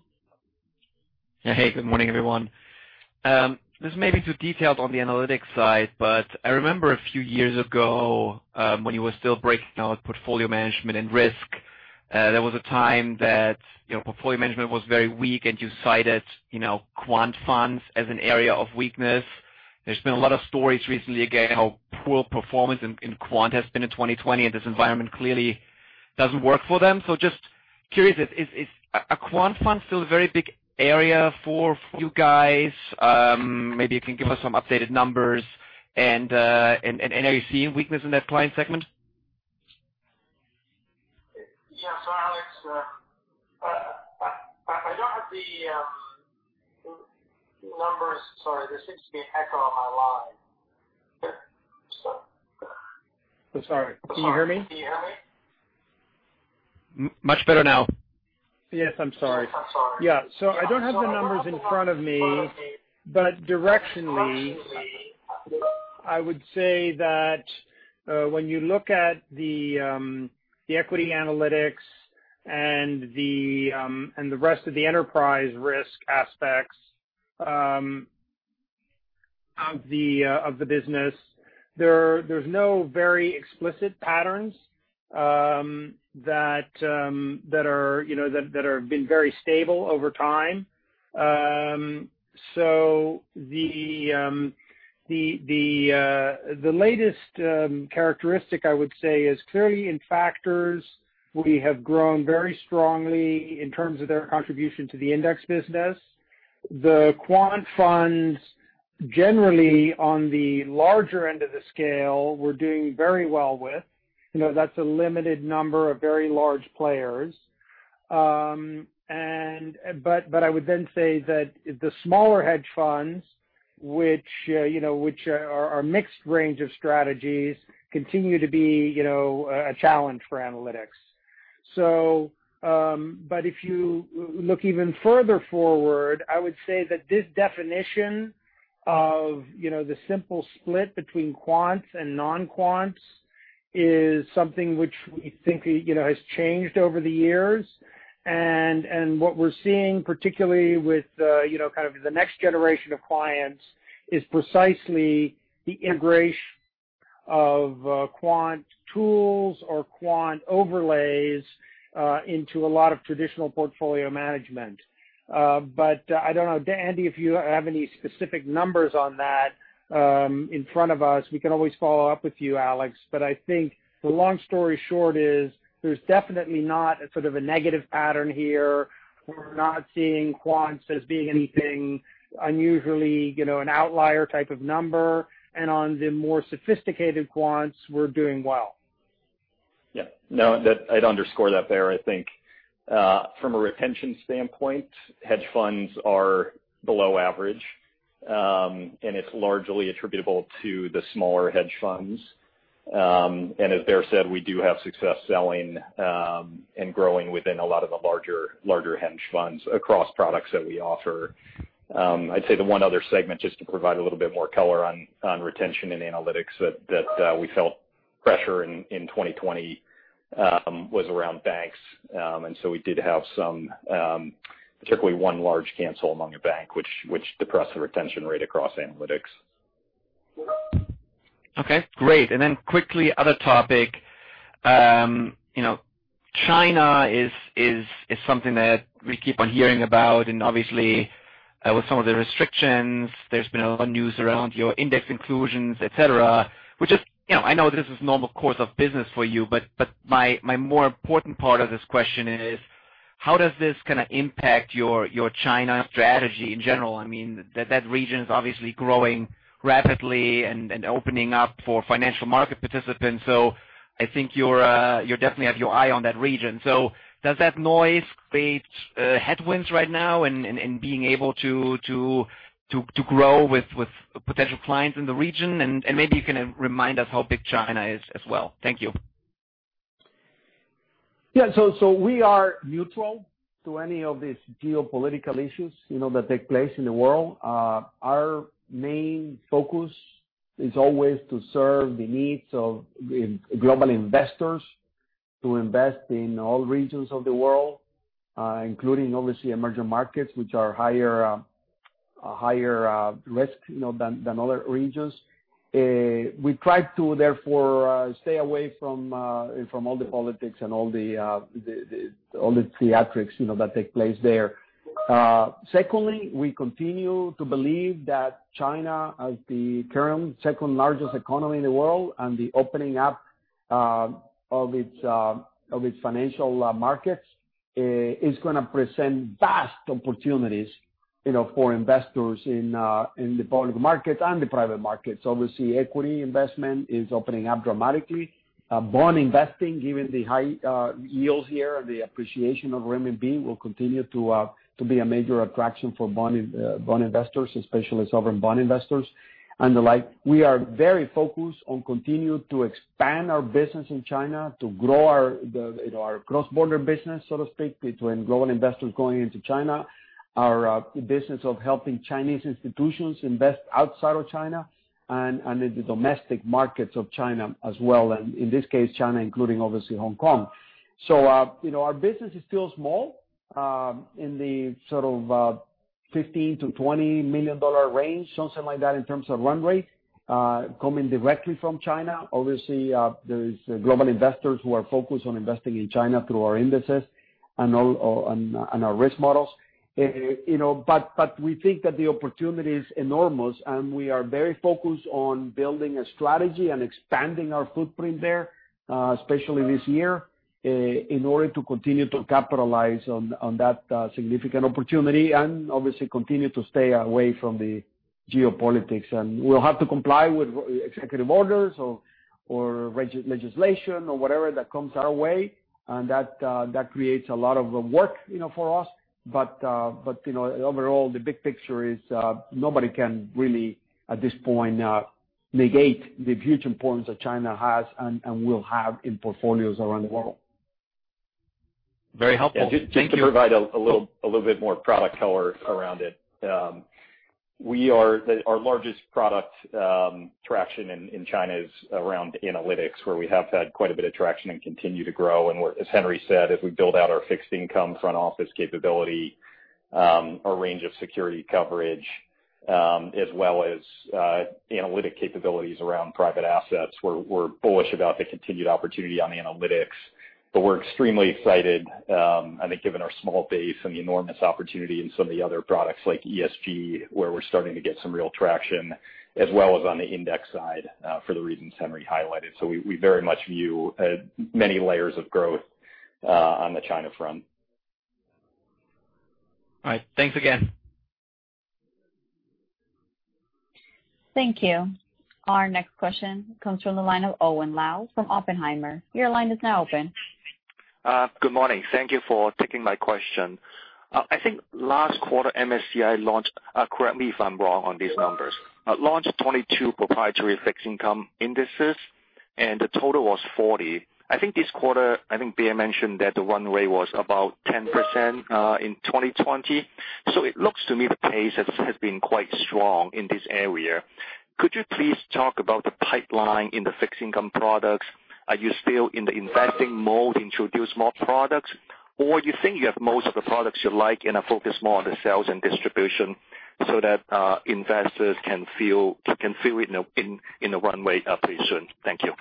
Hey, good morning, everyone. This may be too detailed on the analytics side, but I remember a few years ago, when you were still breaking out portfolio management and risk, there was a time that portfolio management was very weak, and you cited quant funds as an area of weakness. There's been a lot of stories recently, again, how poor performance in quant has been in 2020, and this environment clearly doesn't work for them. just curious, is a quant fund still a very big area for you guys? Maybe you can give us some updated numbers. are you seeing weakness in that client segment? Yeah. Alex, I don't have the numbers. Sorry, there seems to be an echo on my line. Sorry, can you hear me? Much better now. Yes. I'm sorry. Yeah. I don't have the numbers in front of me, but directionally, I would say that when you look at the equity analytics and the rest of the enterprise risk aspects of the business, there's no very explicit patterns that have been very stable over time. The latest characteristic, I would say, is clearly in factors, we have grown very strongly in terms of their contribution to the index business. The quant funds, generally, on the larger end of the scale, we're doing very well with. That's a limited number of very large players. I would then say that the smaller hedge funds, which are a mixed range of strategies, continue to be a challenge for analytics. If you look even further forward, I would say that this definition of the simple split between quants and non-quants is something which we think has changed over the years. What we're seeing, particularly with the next generation of clients, is precisely the integration of quant tools or quant overlays into a lot of traditional portfolio management. I don't know, Andy, if you have any specific numbers on that in front of us. We can always follow up with you, Alex. I think the long story short is there's definitely not a sort of a negative pattern here. We're not seeing quants as being anything unusually an outlier type of number. On the more sophisticated quants, we're doing well. Yeah. No, I'd underscore that there. I think from a retention standpoint, hedge funds are below average. It's largely attributable to the smaller hedge funds. As Baer said, we do have success selling and growing within a lot of the larger hedge funds across products that we offer. I'd say the one other segment, just to provide a little bit more color on retention and analytics, that we felt pressure in 2020 was around banks. We did have particularly one large cancel among a bank, which depressed the retention rate across analytics. Okay, great. Quickly, other topic. China is something that we keep on hearing about, and obviously, with some of the restrictions, there's been a lot of news around your index inclusions, et cetera, which I know this is normal course of business for you, but my more important part of this question is: how does this kind of impact your China strategy in general? I mean, that region is obviously growing rapidly and opening up for financial market participants. I think you definitely have your eye on that region. Does that noise create headwinds right now in being able to grow with potential clients in the region? Maybe you can remind us how big China is as well. Thank you. Yeah. We are neutral to any of these geopolitical issues that take place in the world. Our main focus is always to serve the needs of global investors to invest in all regions of the world, including obviously emerging markets, which are higher risk than other regions. We try to therefore, stay away from all the politics and all the theatrics that take place there. Secondly, we continue to believe that China, as the current second-largest economy in the world, and the opening up of its financial markets, is going to present vast opportunities for investors in the public markets and the private markets. Obviously, equity investment is opening up dramatically. Bond investing, given the high yields here, the appreciation of renminbi will continue to be a major attraction for bond investors, especially sovereign bond investors and the like. We are very focused on continuing to expand our business in China, to grow our cross-border business, so to speak, between global investors going into China, our business of helping Chinese institutions invest outside of China, and in the domestic markets of China as well, and in this case, China including obviously Hong Kong. Our business is still small in the sort of $15 million-$20 million range, something like that, in terms of run rate coming directly from China. Obviously, there is global investors who are focused on investing in China through our indices and our risk models. We think that the opportunity is enormous, and we are very focused on building a strategy and expanding our footprint there, especially this year, in order to continue to capitalize on that significant opportunity and obviously continue to stay away from the geopolitics. We'll have to comply with executive orders or legislation or whatever that comes our way. That creates a lot of work for us. Overall, the big picture is nobody can really, at this point, negate the huge importance that China has and will have in portfolios around the world. Very helpful. Thank you. Yeah. Just to provide a little bit more product color around it. Our largest product traction in China is around analytics, where we have had quite a bit of traction and continue to grow. As Henry said, as we build out our fixed income front office capability, our range of security coverage, as well as analytic capabilities around private assets, we're bullish about the continued opportunity on the analytics. We're extremely excited, I think given our small base and the enormous opportunity in some of the other products like ESG, where we're starting to get some real traction, as well as on the index side for the reasons Henry highlighted. We very much view many layers of growth on the China front. All right. Thanks again. Thank you. Our next question comes from the line of Owen Lau from Oppenheimer. Your line is now open. Good morning. Thank you for taking my question. I think last quarter MSCI launched, correct me if I'm wrong on these numbers, launched 22 proprietary fixed income indices, and the total was 40. I think this quarter, I think Baer mentioned that the run rate was about 10% in 2020. It looks to me the pace has been quite strong in this area. Could you please talk about the pipeline in the fixed income products? Are you still in the investing mode, introduce more products? Or you think you have most of the products you like and are focused more on the sales and distribution so that investors can feel it in a runway pretty soon? Thank you.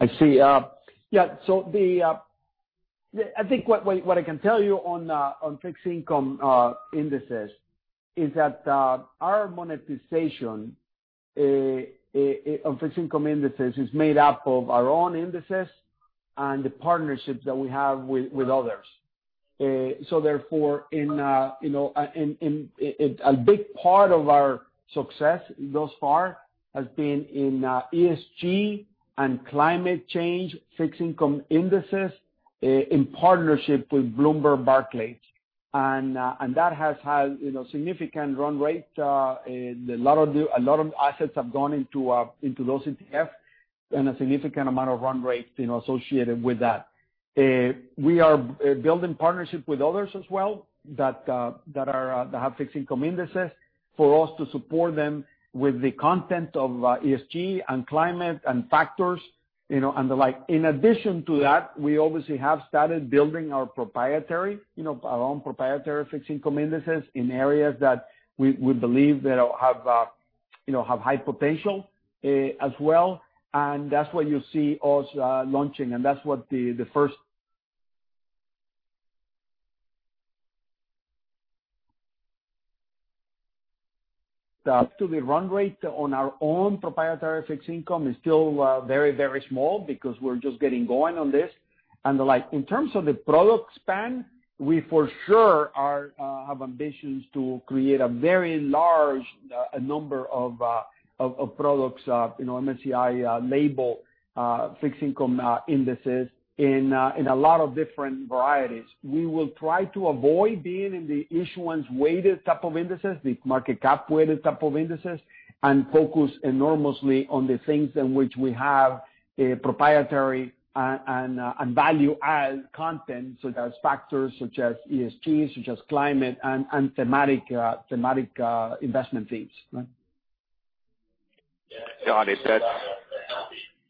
I see. I think what I can tell you on fixed income indices is that our monetization of fixed income indices is made up of our own indices and the partnerships that we have with others. Therefore, a big part of our success thus far has been in ESG and climate change fixed income indices in partnership with Bloomberg Barclays. That has had significant run rate. A lot of assets have gone into those ETFs and a significant amount of run rate associated with that. We are building partnerships with others as well that have fixed income indices for us to support them with the content of ESG and climate and factors and the like. In addition to that, we obviously have started building our own proprietary fixed income indices in areas that we believe that have high potential as well. That's what you see us launching, and that's what the run rate on our own proprietary fixed income is still very small because we're just getting going on this and the like. In terms of the product span, we for sure have ambitions to create a very large number of products, MSCI-label fixed income indices in a lot of different varieties. We will try to avoid being in the issuance-weighted type of indices, the market cap-weighted type of indices, and focus enormously on the things in which we have proprietary and value-add content, such as factors such as ESG, such as climate and thematic investment themes. Got it.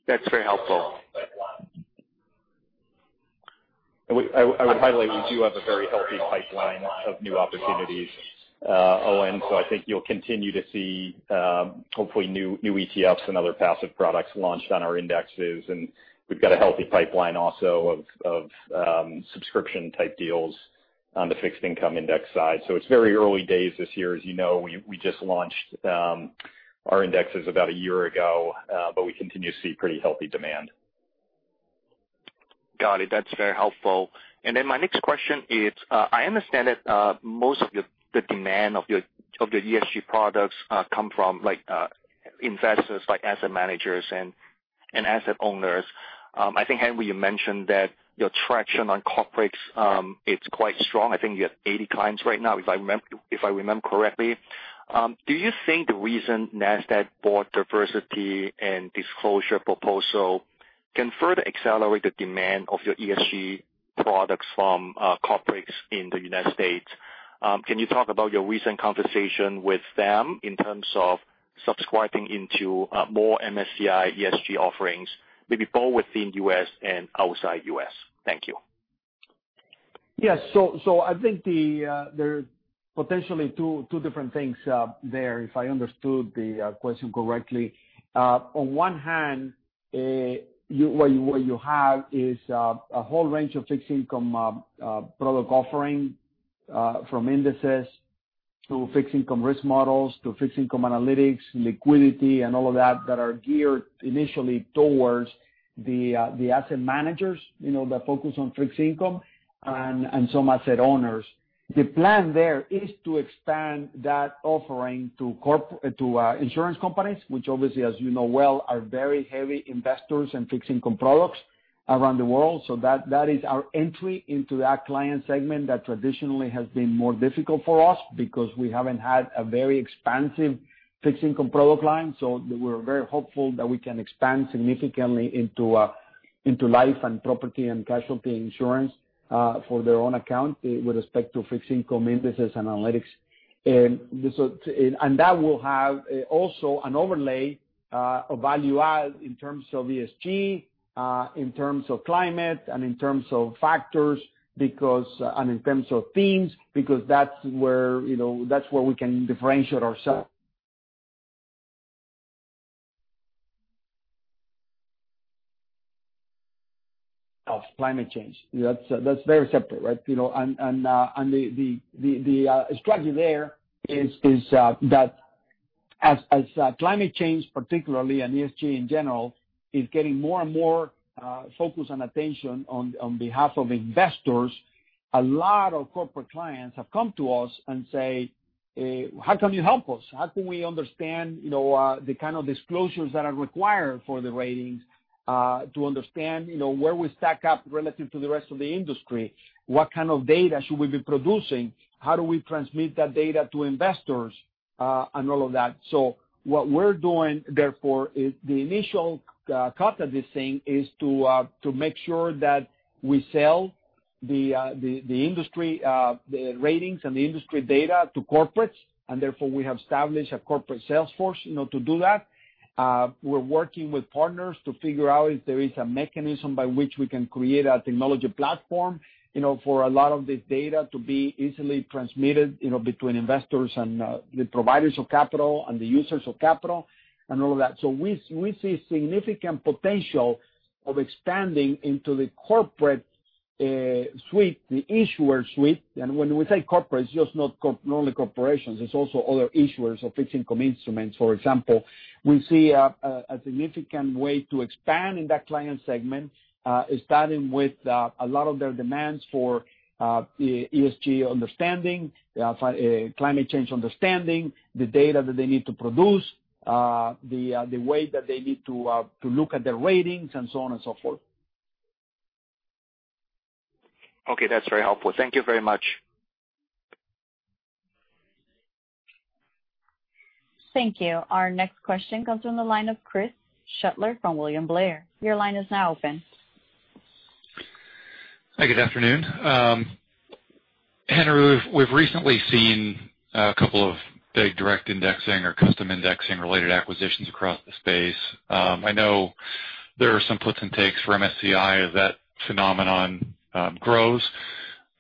That's very helpful. I would highlight we do have a very healthy pipeline of new opportunities, Owen. I think you'll continue to see, hopefully, new ETFs and other passive products launched on our indexes. We've got a healthy pipeline also of subscription-type deals on the fixed income index side. It's very early days this year. As you know, we just launched our indexes about a year ago, but we continue to see pretty healthy demand. Got it. That's very helpful. My next question is, I understand that most of the demand of the ESG products come from investors like asset managers and asset owners. I think, Henry, you mentioned that your traction on corporates, it's quite strong. I think you have 80 clients right now, if I remember correctly. Do you think the recent Nasdaq board diversity and disclosure proposal can further accelerate the demand of your ESG products from corporates in the United States. Can you talk about your recent conversation with them in terms of subscribing into more MSCI ESG offerings, maybe both within U.S. and outside U.S.? Thank you. Yes. I think there are potentially two different things there, if I understood the question correctly. On one hand, what you have is a whole range of fixed income product offering, from indices to fixed income risk models to fixed income analytics, liquidity, and all of that are geared initially towards the asset managers that focus on fixed income and some asset owners. The plan there is to expand that offering to insurance companies, which obviously, as you know well, are very heavy investors in fixed income products around the world. That is our entry into that client segment that traditionally has been more difficult for us because we haven't had a very expansive fixed income product line. We're very hopeful that we can expand significantly into life and property and casualty insurance, for their own account with respect to fixed income indices and analytics. That will have also an overlay of value add in terms of ESG, in terms of climate, and in terms of factors, and in terms of themes, because that's where we can differentiate ourselves of climate change. That's very separate, right? the strategy there is that as climate change particularly and ESG in general, is getting more and more focus and attention on behalf of investors, a lot of corporate clients have come to us and say, "How can you help us? How can we understand the kind of disclosures that are required for the ratings, to understand where we stack up relative to the rest of the industry? What kind of data should we be producing? How do we transmit that data to investors?" and all of that. What we're doing, therefore, is the initial cut of this thing is to make sure that we sell the industry ratings and the industry data to corporates, and therefore we have established a corporate sales force to do that. We're working with partners to figure out if there is a mechanism by which we can create a technology platform for a lot of this data to be easily transmitted between investors and the providers of capital and the users of capital and all of that. we see significant potential of expanding into the corporate suite, the issuer suite. when we say corporate, it's not only corporations, it's also other issuers of fixed income instruments, for example. We see a significant way to expand in that client segment, starting with a lot of their demands for ESG understanding, climate change understanding, the data that they need to produce, the way that they need to look at their ratings and so on and so forth. Okay. That's very helpful. Thank you very much. Thank you. Our next question comes from the line of Chris Shutler from William Blair. Your line is now open. Hi, good afternoon. Henry, we've recently seen a couple of big direct indexing or custom indexing-related acquisitions across the space. I know there are some puts and takes for MSCI as that phenomenon grows.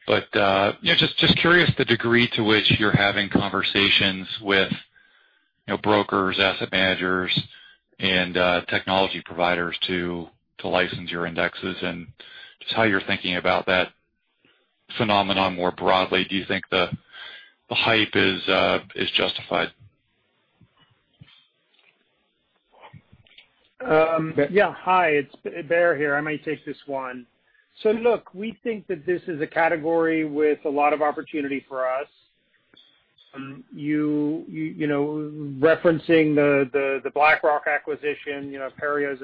Just curious the degree to which you're having conversations with brokers, asset managers, and technology providers to license your indexes, and just how you're thinking about that phenomenon more broadly. Do you think the hype is justified? Yeah. Hi, it's Baer here. I may take this one. Look, we think that this is a category with a lot of opportunity for us. Referencing the BlackRock acquisition, Aperio is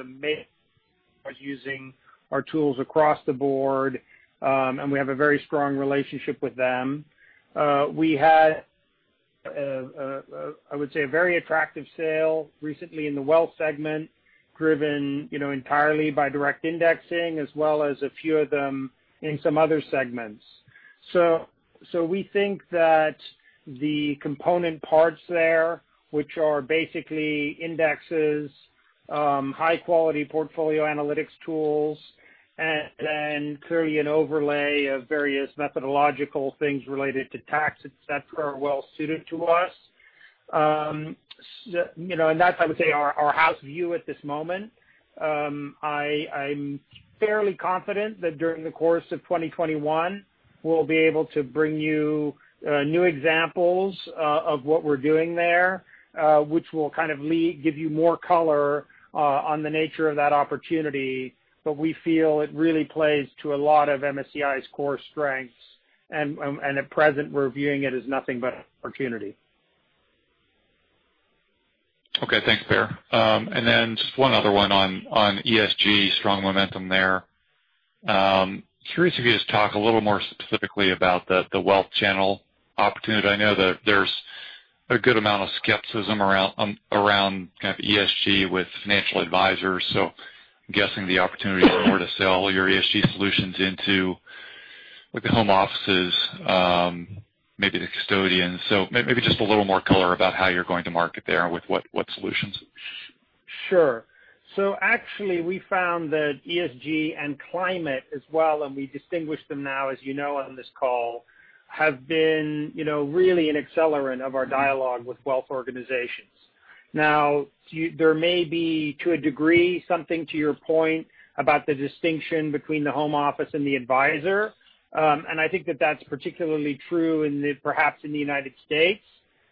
using our tools across the board, and we have a very strong relationship with them. We had, I would say, a very attractive sale recently in the wealth segment, driven entirely by direct indexing as well as a few of them in some other segments. We think that the component parts there, which are basically indexes, high-quality portfolio analytics tools, and then clearly an overlay of various methodological things related to tax, et cetera, are well suited to us. That's, I would say, our house view at this moment. I'm fairly confident that during the course of 2021, we'll be able to bring you new examples of what we're doing there, which will kind of give you more color on the nature of that opportunity. We feel it really plays to a lot of MSCI's core strengths. At present, we're viewing it as nothing but opportunity. Okay. Thanks, Baer. Then just one other one on ESG, strong momentum there I'm curious if you just talk a little more specifically about the wealth channel opportunity. I know that there's a good amount of skepticism around kind of ESG with financial advisors, so I'm guessing the opportunity is more to sell your ESG solutions into like the home offices, maybe the custodians. Maybe just a little more color about how you're going to market there and with what solutions. Sure. Actually, we found that ESG and climate as well, and we distinguish them now, as you know, on this call, have been really an accelerant of our dialogue with wealth organizations. Now, there may be, to a degree, something to your point about the distinction between the home office and the advisor. I think that that's particularly true perhaps in the United States,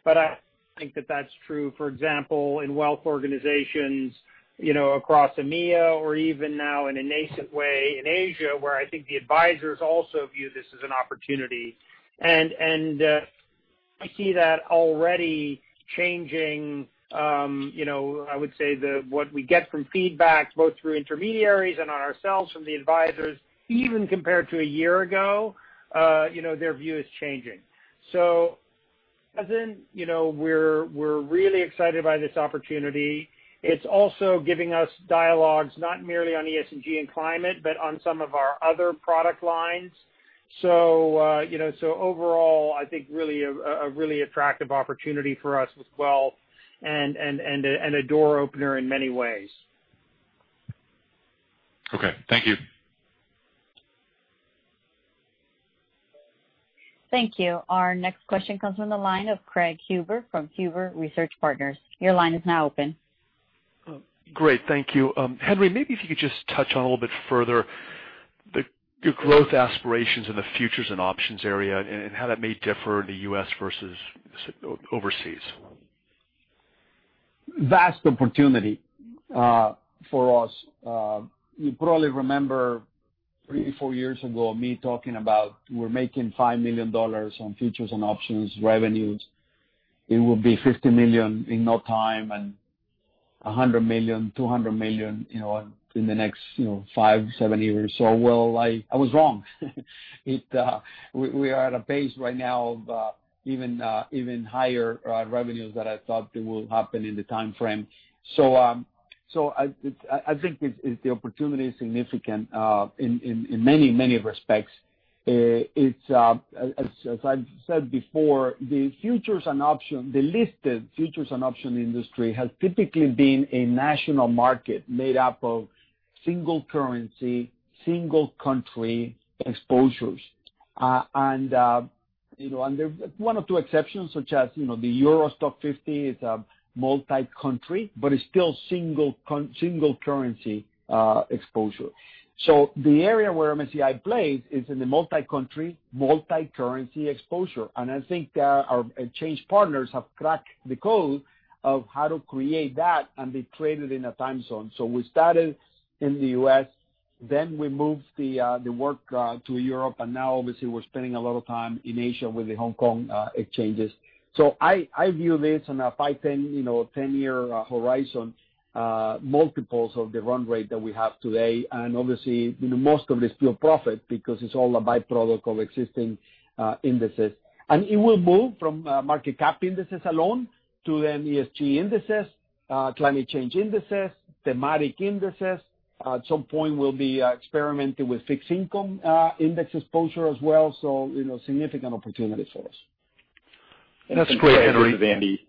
but I think that that's true, for example, in wealth organizations across EMEA or even now in a nascent way in Asia, where I think the advisors also view this as an opportunity. I see that already changing, I would say, what we get from feedback, both through intermediaries and on ourselves from the advisors, even compared to a year ago, their view is changing. As in, we're really excited by this opportunity. It's also giving us dialogues, not merely on ESG and climate, but on some of our other product lines. overall, I think a really attractive opportunity for us with wealth and a door opener in many ways. Okay. Thank you. Thank you. Our next question comes from the line of Craig Huber from Huber Research Partners. Your line is now open. Great. Thank you. Henry, maybe if you could just touch on a little bit further your growth aspirations in the futures and options area and how that may differ in the U.S. versus overseas. Vast opportunity for us. You probably remember three, four years ago, me talking about we're making $5 million on features and options revenues. It will be $50 million in no time and $100 million, $200 million, in the next five, seven years or so. Well, I was wrong. We are at a pace right now of even higher revenues that I thought will happen in the timeframe. I think the opportunity is significant in many respects. As I've said before, the listed futures and option industry has typically been a national market made up of single currency, single country exposures. There's one or two exceptions, such as the EURO STOXX 50 is a multi-country, but it's still single currency exposure. The area where MSCI plays is in the multi-country, multi-currency exposure, and I think our exchange partners have cracked the code of how to create that, and they trade it in a time zone. We started in the U.S., then we moved the work to Europe, and now obviously we're spending a lot of time in Asia with the Hong Kong exchanges. I view this on a five, 10-year horizon, multiples of the run rate that we have today, and obviously, most of it is pure profit because it's all a byproduct of existing indices. It will move from market cap indices alone to then ESG indices, climate change indices, thematic indices. At some point, we'll be experimenting with fixed income index exposure as well. Significant opportunity for us. That's great, Henry. This is Andy.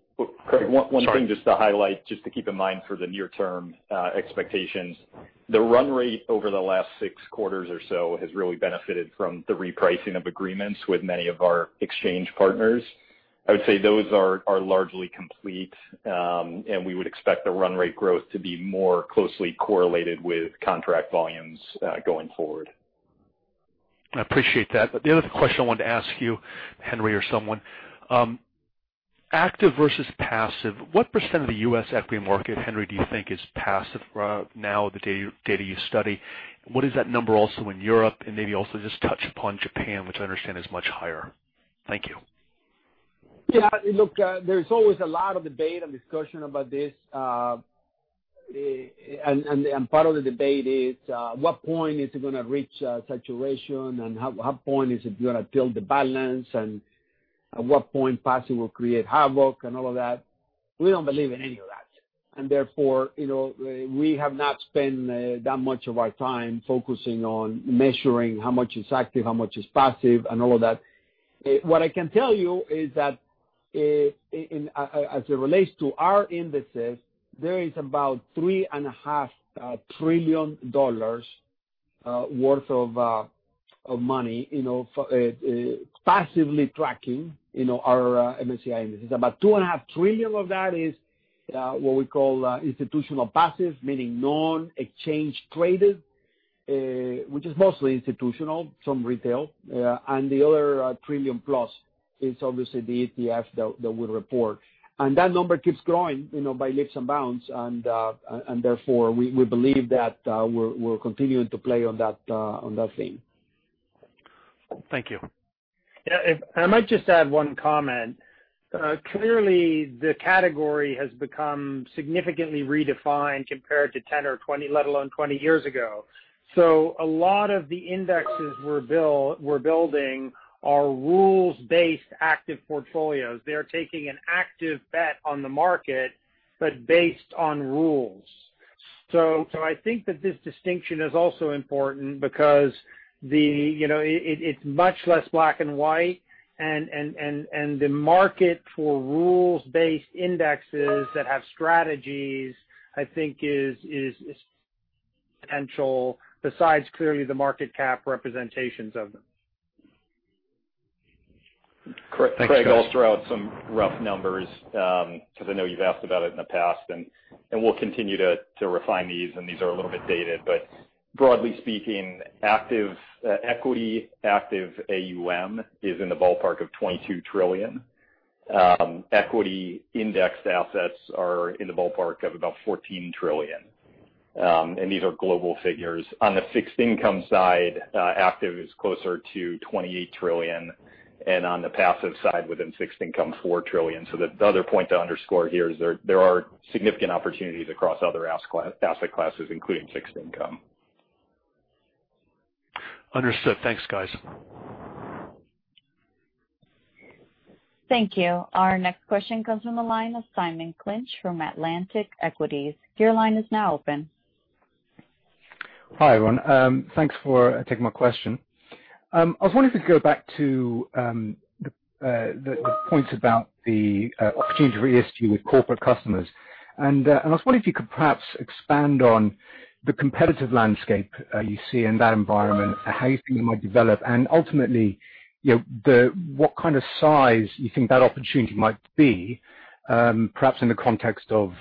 Sorry. One thing just to highlight, just to keep in mind for the near-term expectations. The run rate over the last six quarters or so has really benefited from the repricing of agreements with many of our exchange partners. I would say those are largely complete, and we would expect the run rate growth to be more closely correlated with contract volumes, going forward. I appreciate that. The other question I wanted to ask you, Henry or someone, active versus passive, what percent of the U.S. equity market, Henry, do you think is passive now the day-to-day you study? What is that number also in Europe, and maybe also just touch upon Japan, which I understand is much higher. Thank you. Yeah. Look, there's always a lot of debate and discussion about this. Part of the debate is, what point is it going to reach saturation, and at what point is it going to tilt the balance, and at what point passive will create havoc and all of that. We don't believe in any of that, and therefore, we have not spent that much of our time focusing on measuring how much is active, how much is passive, and all of that. What I can tell you is that as it relates to our indices, there is about $3.5 trillion worth of money passively tracking our MSCI indices. About $2.5 trillion of that is what we call institutional passive, meaning non-exchange traded, which is mostly institutional, some retail. The other $1 trillion plus is obviously the ETF that we report. That number keeps growing by leaps and bounds, and therefore, we believe that we're continuing to play on that theme. Thank you. Yeah, I might just add one comment. Clearly, the category has become significantly redefined compared to 10 or 20, let alone 20 years ago. A lot of the indexes we're building are rules-based active portfolios. They are taking an active bet on the market, but based on rules. I think that this distinction is also important because it's much less black and white, and the market for rules-based indexes that have strategies, I think, is potential besides clearly the market cap representations of them. Correct. Craig, I'll throw out some rough numbers, because I know you've asked about it in the past, and we'll continue to refine these, and these are a little bit dated. Broadly speaking, active equity, active AUM, is in the ballpark of $22 trillion. Equity-indexed assets are in the ballpark of about $14 trillion, and these are global figures. On the fixed income side, active is closer to $28 trillion, and on the passive side, within fixed income, $4 trillion. The other point to underscore here is there are significant opportunities across other asset classes, including fixed income. Understood. Thanks, guys. Thank you. Our next question comes from the line of Simon Clinch from Atlantic Equities. Your line is now open. Hi, everyone. Thanks for taking my question. I was wondering if you could go back to the points about the opportunity for ESG with corporate customers. I was wondering if you could perhaps expand on the competitive landscape you see in that environment, how you think it might develop, and ultimately, what kind of size you think that opportunity might be, perhaps in the context of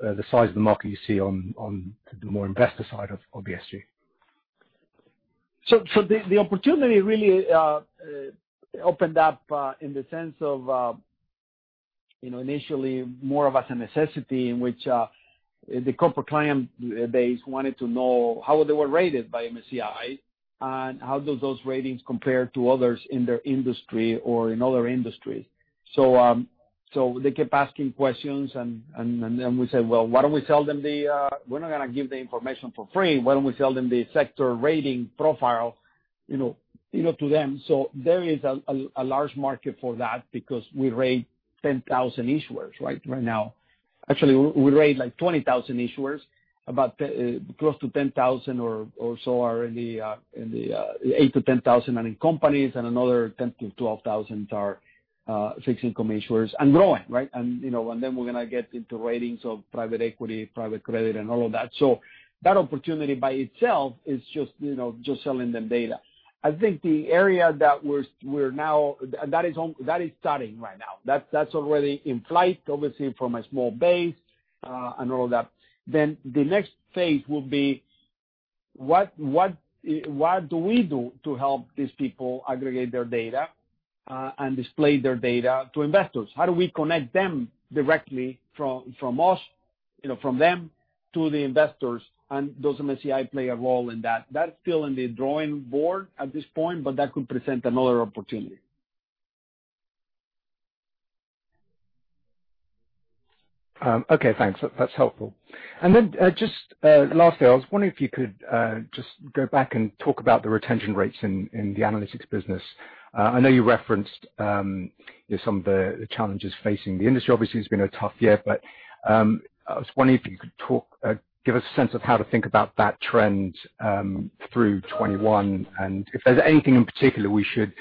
the size of the market you see on the more investor side of ESG. The opportunity really opened up in the sense of initially more of as a necessity, in which the corporate client base wanted to know how they were rated by MSCI and how do those ratings compare to others in their industry or in other industries. They kept asking questions, and then we said, "Well, why don't we We're not going to give the information for free. Why don't we sell them the sector rating profile to them?" There is a large market for that because we rate 10,000 issuers right now. Actually, we rate 20,000 issuers. Close to 10,000 or so are in the eight to 10,000 companies, and another 10 to 12,000 are fixed income issuers and growing. We're going to get into ratings of private equity, private credit, and all of that. That opportunity by itself is just selling them data. I think the area that is starting right now. That's already in flight, obviously, from a small base and all of that. The next phase will be what do we do to help these people aggregate their data and display their data to investors? How do we connect them directly from them to the investors, and does MSCI play a role in that? That's still in the drawing board at this point, but that could present another opportunity. Okay, thanks. That's helpful. Just lastly, I was wondering if you could just go back and talk about the retention rates in the analytics business. I know you referenced some of the challenges facing the industry. Obviously, it's been a tough year, but I was wondering if you could give us a sense of how to think about that trend through 2021, and if there's anything in particular we should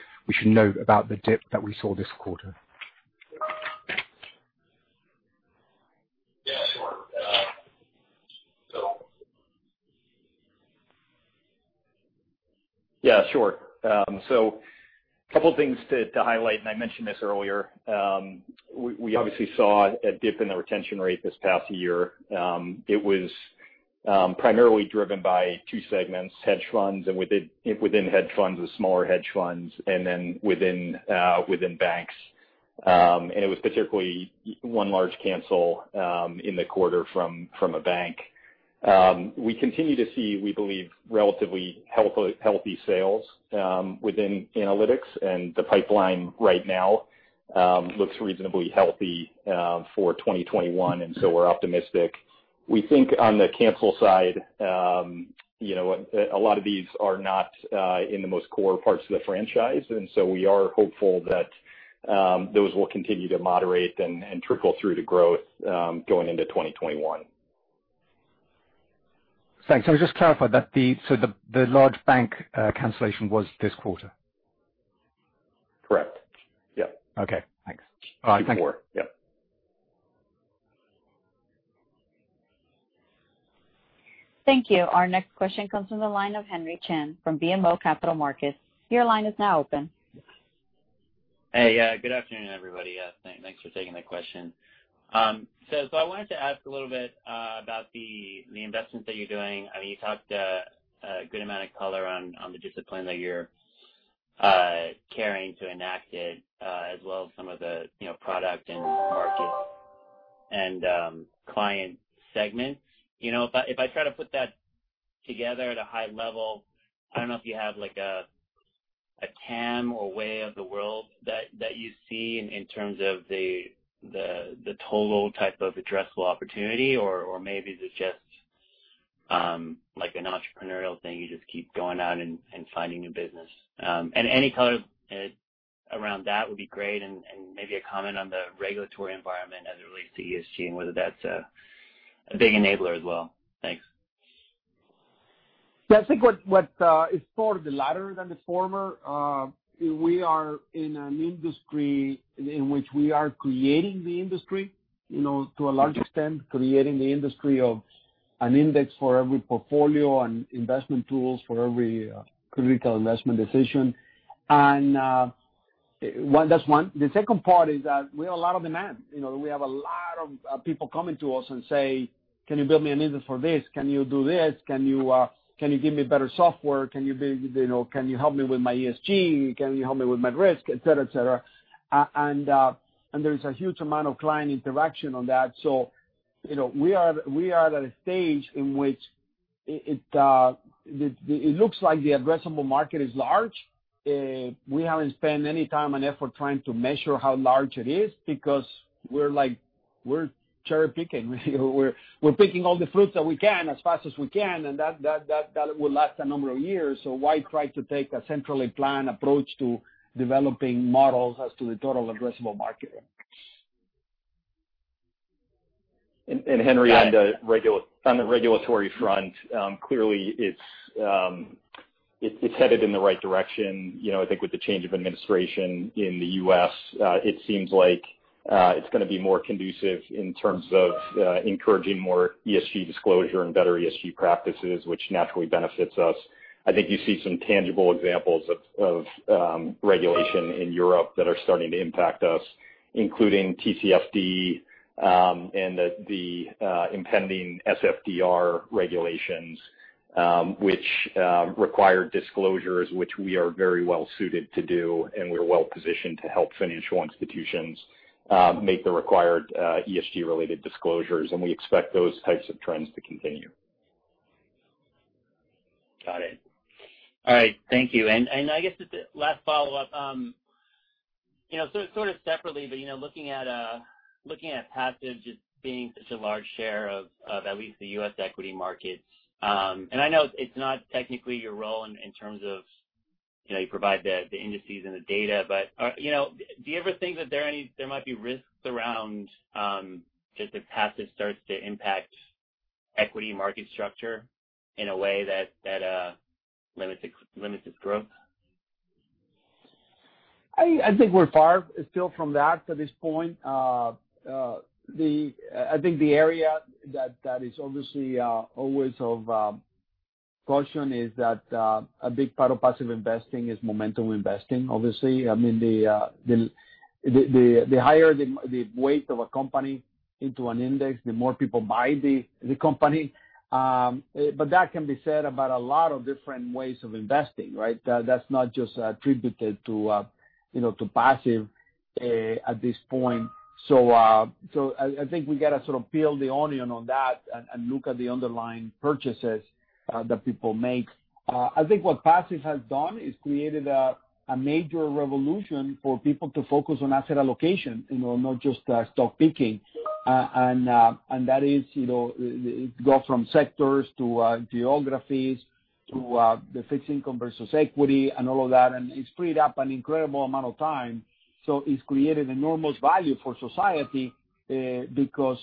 note about the dip that we saw this quarter. Yeah, sure. A couple things to highlight, and I mentioned this earlier. We obviously saw a dip in the retention rate this past year. It was primarily driven by two segments, hedge funds, and within hedge funds, the smaller hedge funds, and then within banks. It was particularly one large cancel in the quarter from a bank. We continue to see, we believe, relatively healthy sales within analytics, and the pipeline right now looks reasonably healthy for 2021, and so we're optimistic. We think on the cancel side, a lot of these are not in the most core parts of the franchise, and so we are hopeful that those will continue to moderate and trickle through to growth going into 2021. Thanks. Just to clarify, so the large bank cancellation was this quarter? Correct. Yep. Okay. Thanks. Thank you. Our next question comes from the line of Henry Chien from BMO Capital Markets. Your line is now open. Hey. Good afternoon, everybody. Thanks for taking the question. I wanted to ask a little bit about the investments that you're doing. You talked a good amount of color on the discipline that you're carrying to enact it, as well as some of the product and client segments. If I try to put that together at a high level, I don't know if you have a TAM or way of the world that you see in terms of the total type of addressable opportunity, or maybe it's just an entrepreneurial thing, you just keep going out and finding new business. Any color around that would be great, and maybe a comment on the regulatory environment as it relates to ESG and whether that's a big enabler as well. Thanks. Yeah. I think it's more of the latter than the former. We are in an industry in which we are creating the industry, to a large extent, creating the industry of an index for every portfolio and investment tools for every critical investment decision. That's one. The second part is that we have a lot of demand. We have a lot of people coming to us and say, "Can you build me an index for this? Can you do this? Can you give me better software? Can you help me with my ESG? Can you help me with my risk?" Et cetera. There is a huge amount of client interaction on that. We are at a stage in which it looks like the addressable market is large. We haven't spent any time and effort trying to measure how large it is, because we're cherry-picking. We're picking all the fruits that we can as fast as we can, and that will last a number of years. Why try to take a centrally planned approach to developing models as to the total addressable market? Henry, on the regulatory front, clearly it's headed in the right direction. I think with the change of administration in the U.S., it seems like it's going to be more conducive in terms of encouraging more ESG disclosure and better ESG practices, which naturally benefits us. I think you see some tangible examples of regulation in Europe that are starting to impact us, including TCFD, and the impending SFDR regulations, which require disclosures, which we are very well-suited to do, and we're well-positioned to help financial institutions make the required ESG-related disclosures. We expect those types of trends to continue. Got it. All right. Thank you. I guess just a last follow-up. Sort of separately, but looking at passive just being such a large share of at least the U.S. equity markets. I know it's not technically your role in terms of, you provide the indices and the data. Do you ever think that there might be risks around just if passive starts to impact equity market structure in a way that limits its growth? I think we're far still from that at this point. I think the area that is obviously always of caution is that a big part of passive investing is momentum investing, obviously. The higher the weight of a company into an index, the more people buy the company. That can be said about a lot of different ways of investing, right? That's not just attributed to passive at this point. I think we've got to sort of peel the onion on that and look at the underlying purchases that people make. I think what passive has done is created a major revolution for people to focus on asset allocation, and not just stock picking. That is, it goes from sectors to geographies to the fixed income versus equity and all of that, and it's freed up an incredible amount of time. It's created enormous value for society, because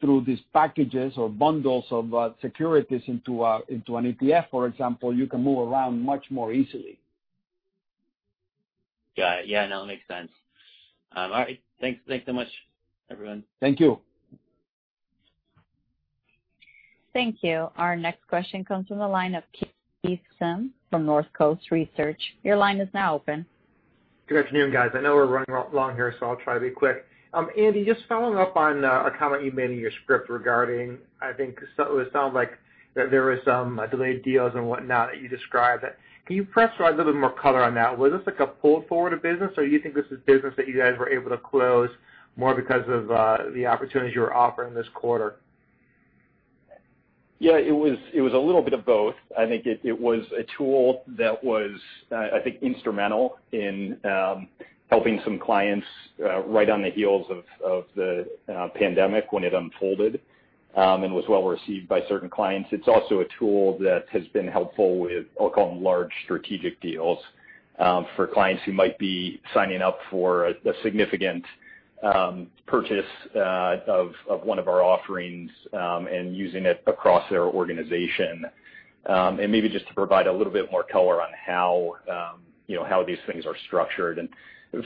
through these packages or bundles of securities into an ETF, for example, you can move around much more easily. Got it. Yeah, no, it makes sense. All right. Thanks so much, everyone. Thank you. Thank you. Our next question comes from the line of Keith Housum from Northcoast Research. Your line is now open. Good afternoon, guys. I know we're running long here, so I'll try to be quick. Andy, just following up on a comment you made in your script regarding, I think it sounds like there were some delayed deals and whatnot that you described. Can you press a little more color on that? Was this like a pull forward of business, or you think this is business that you guys were able to close more because of the opportunities you were offering this quarter? Yeah, it was a little bit of both. I think it was a tool that was, I think, instrumental in helping some clients right on the heels of the pandemic when it unfolded, and was well-received by certain clients. It's also a tool that has been helpful with, I'll call them large strategic deals for clients who might be signing up for a significant purchase of one of our offerings, and using it across their organization. Maybe just to provide a little bit more color on how these things are structured.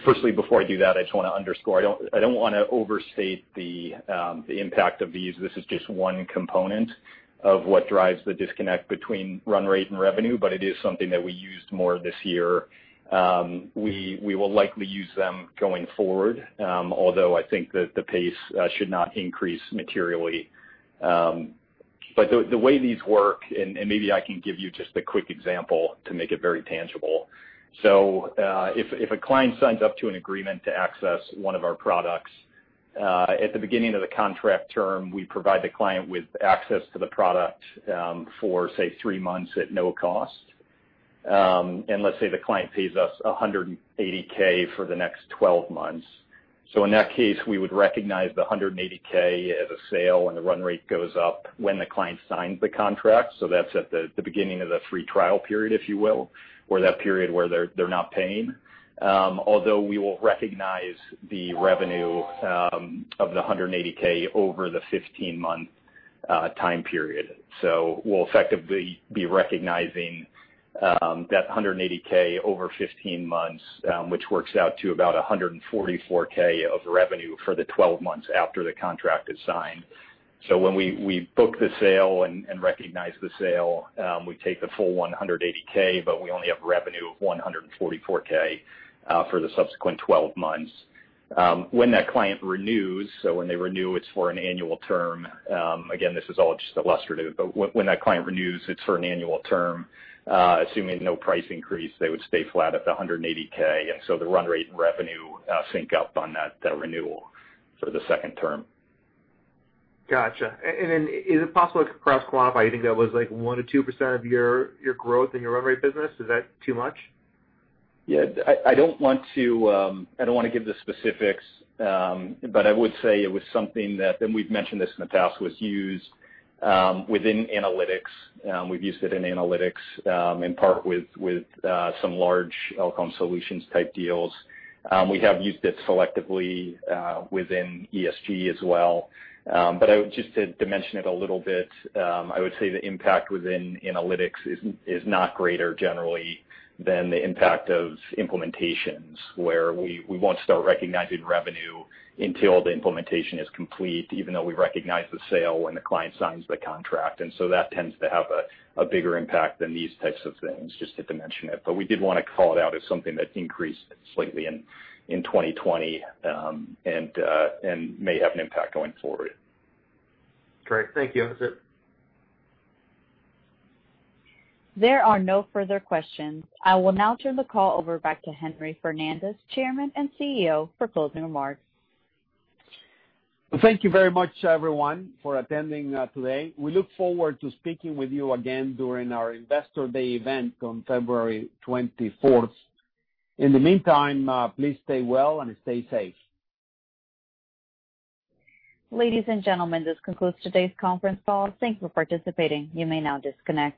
Firstly, before I do that, I just want to underscore, I don't want to overstate the impact of these. This is just one component of what drives the disconnect between run rate and revenue, but it is something that we used more this year. We will likely use them going forward. Although I think that the pace should not increase materially the way these work, and maybe I can give you just a quick example to make it very tangible. If a client signs up to an agreement to access one of our products, at the beginning of the contract term, we provide the client with access to the product for, say, three months at no cost. Let's say the client pays us $180,000 for the next 12 months. In that case, we would recognize the $180,000 as a sale, and the run rate goes up when the client signs the contract. That's at the beginning of the free trial period, if you will, or that period where they're not paying. Although we will recognize the revenue of the $180,000 over the 15-month time period. we'll effectively be recognizing that $180,000 over 15 months, which works out to about $144,000 of revenue for the 12 months after the contract is signed. when we book the sale and recognize the sale, we take the full $180,000, but we only have revenue of $144,000 for the subsequent 12 months. When that client renews, so when they renew, it's for an annual term. Again, this is all just illustrative, but when that client renews, it's for an annual term. Assuming no price increase, they would stay flat at the $180,000, and so the run rate and revenue sync up on that renewal for the second term. Got you. Is it possible to cross-qualify? Do you think that was one to 2% of your growth in your run rate business? Is that too much? Yeah. I don't want to give the specifics, but I would say it was something that, and we've mentioned this in the past, was used within analytics. We've used it in analytics, in part with some large outcome solutions-type deals. We have used it selectively within ESG as well. Just to dimension it a little bit, I would say the impact within analytics is not greater generally than the impact of implementations where we won't start recognizing revenue until the implementation is complete, even though we recognize the sale when the client signs the contract. That tends to have a bigger impact than these types of things, just to dimension it. We did want to call it out as something that increased slightly in 2020, and may have an impact going forward. Great. Thank you. That's it. There are no further questions. I will now turn the call over back to Henry Fernandez, Chairman and CEO, for closing remarks. Thank you very much, everyone, for attending today. We look forward to speaking with you again during our Investor Day event on February 24th. In the meantime, please stay well and stay safe. Ladies and gentlemen, this concludes today's conference call. Thanks for participating. You may now disconnect.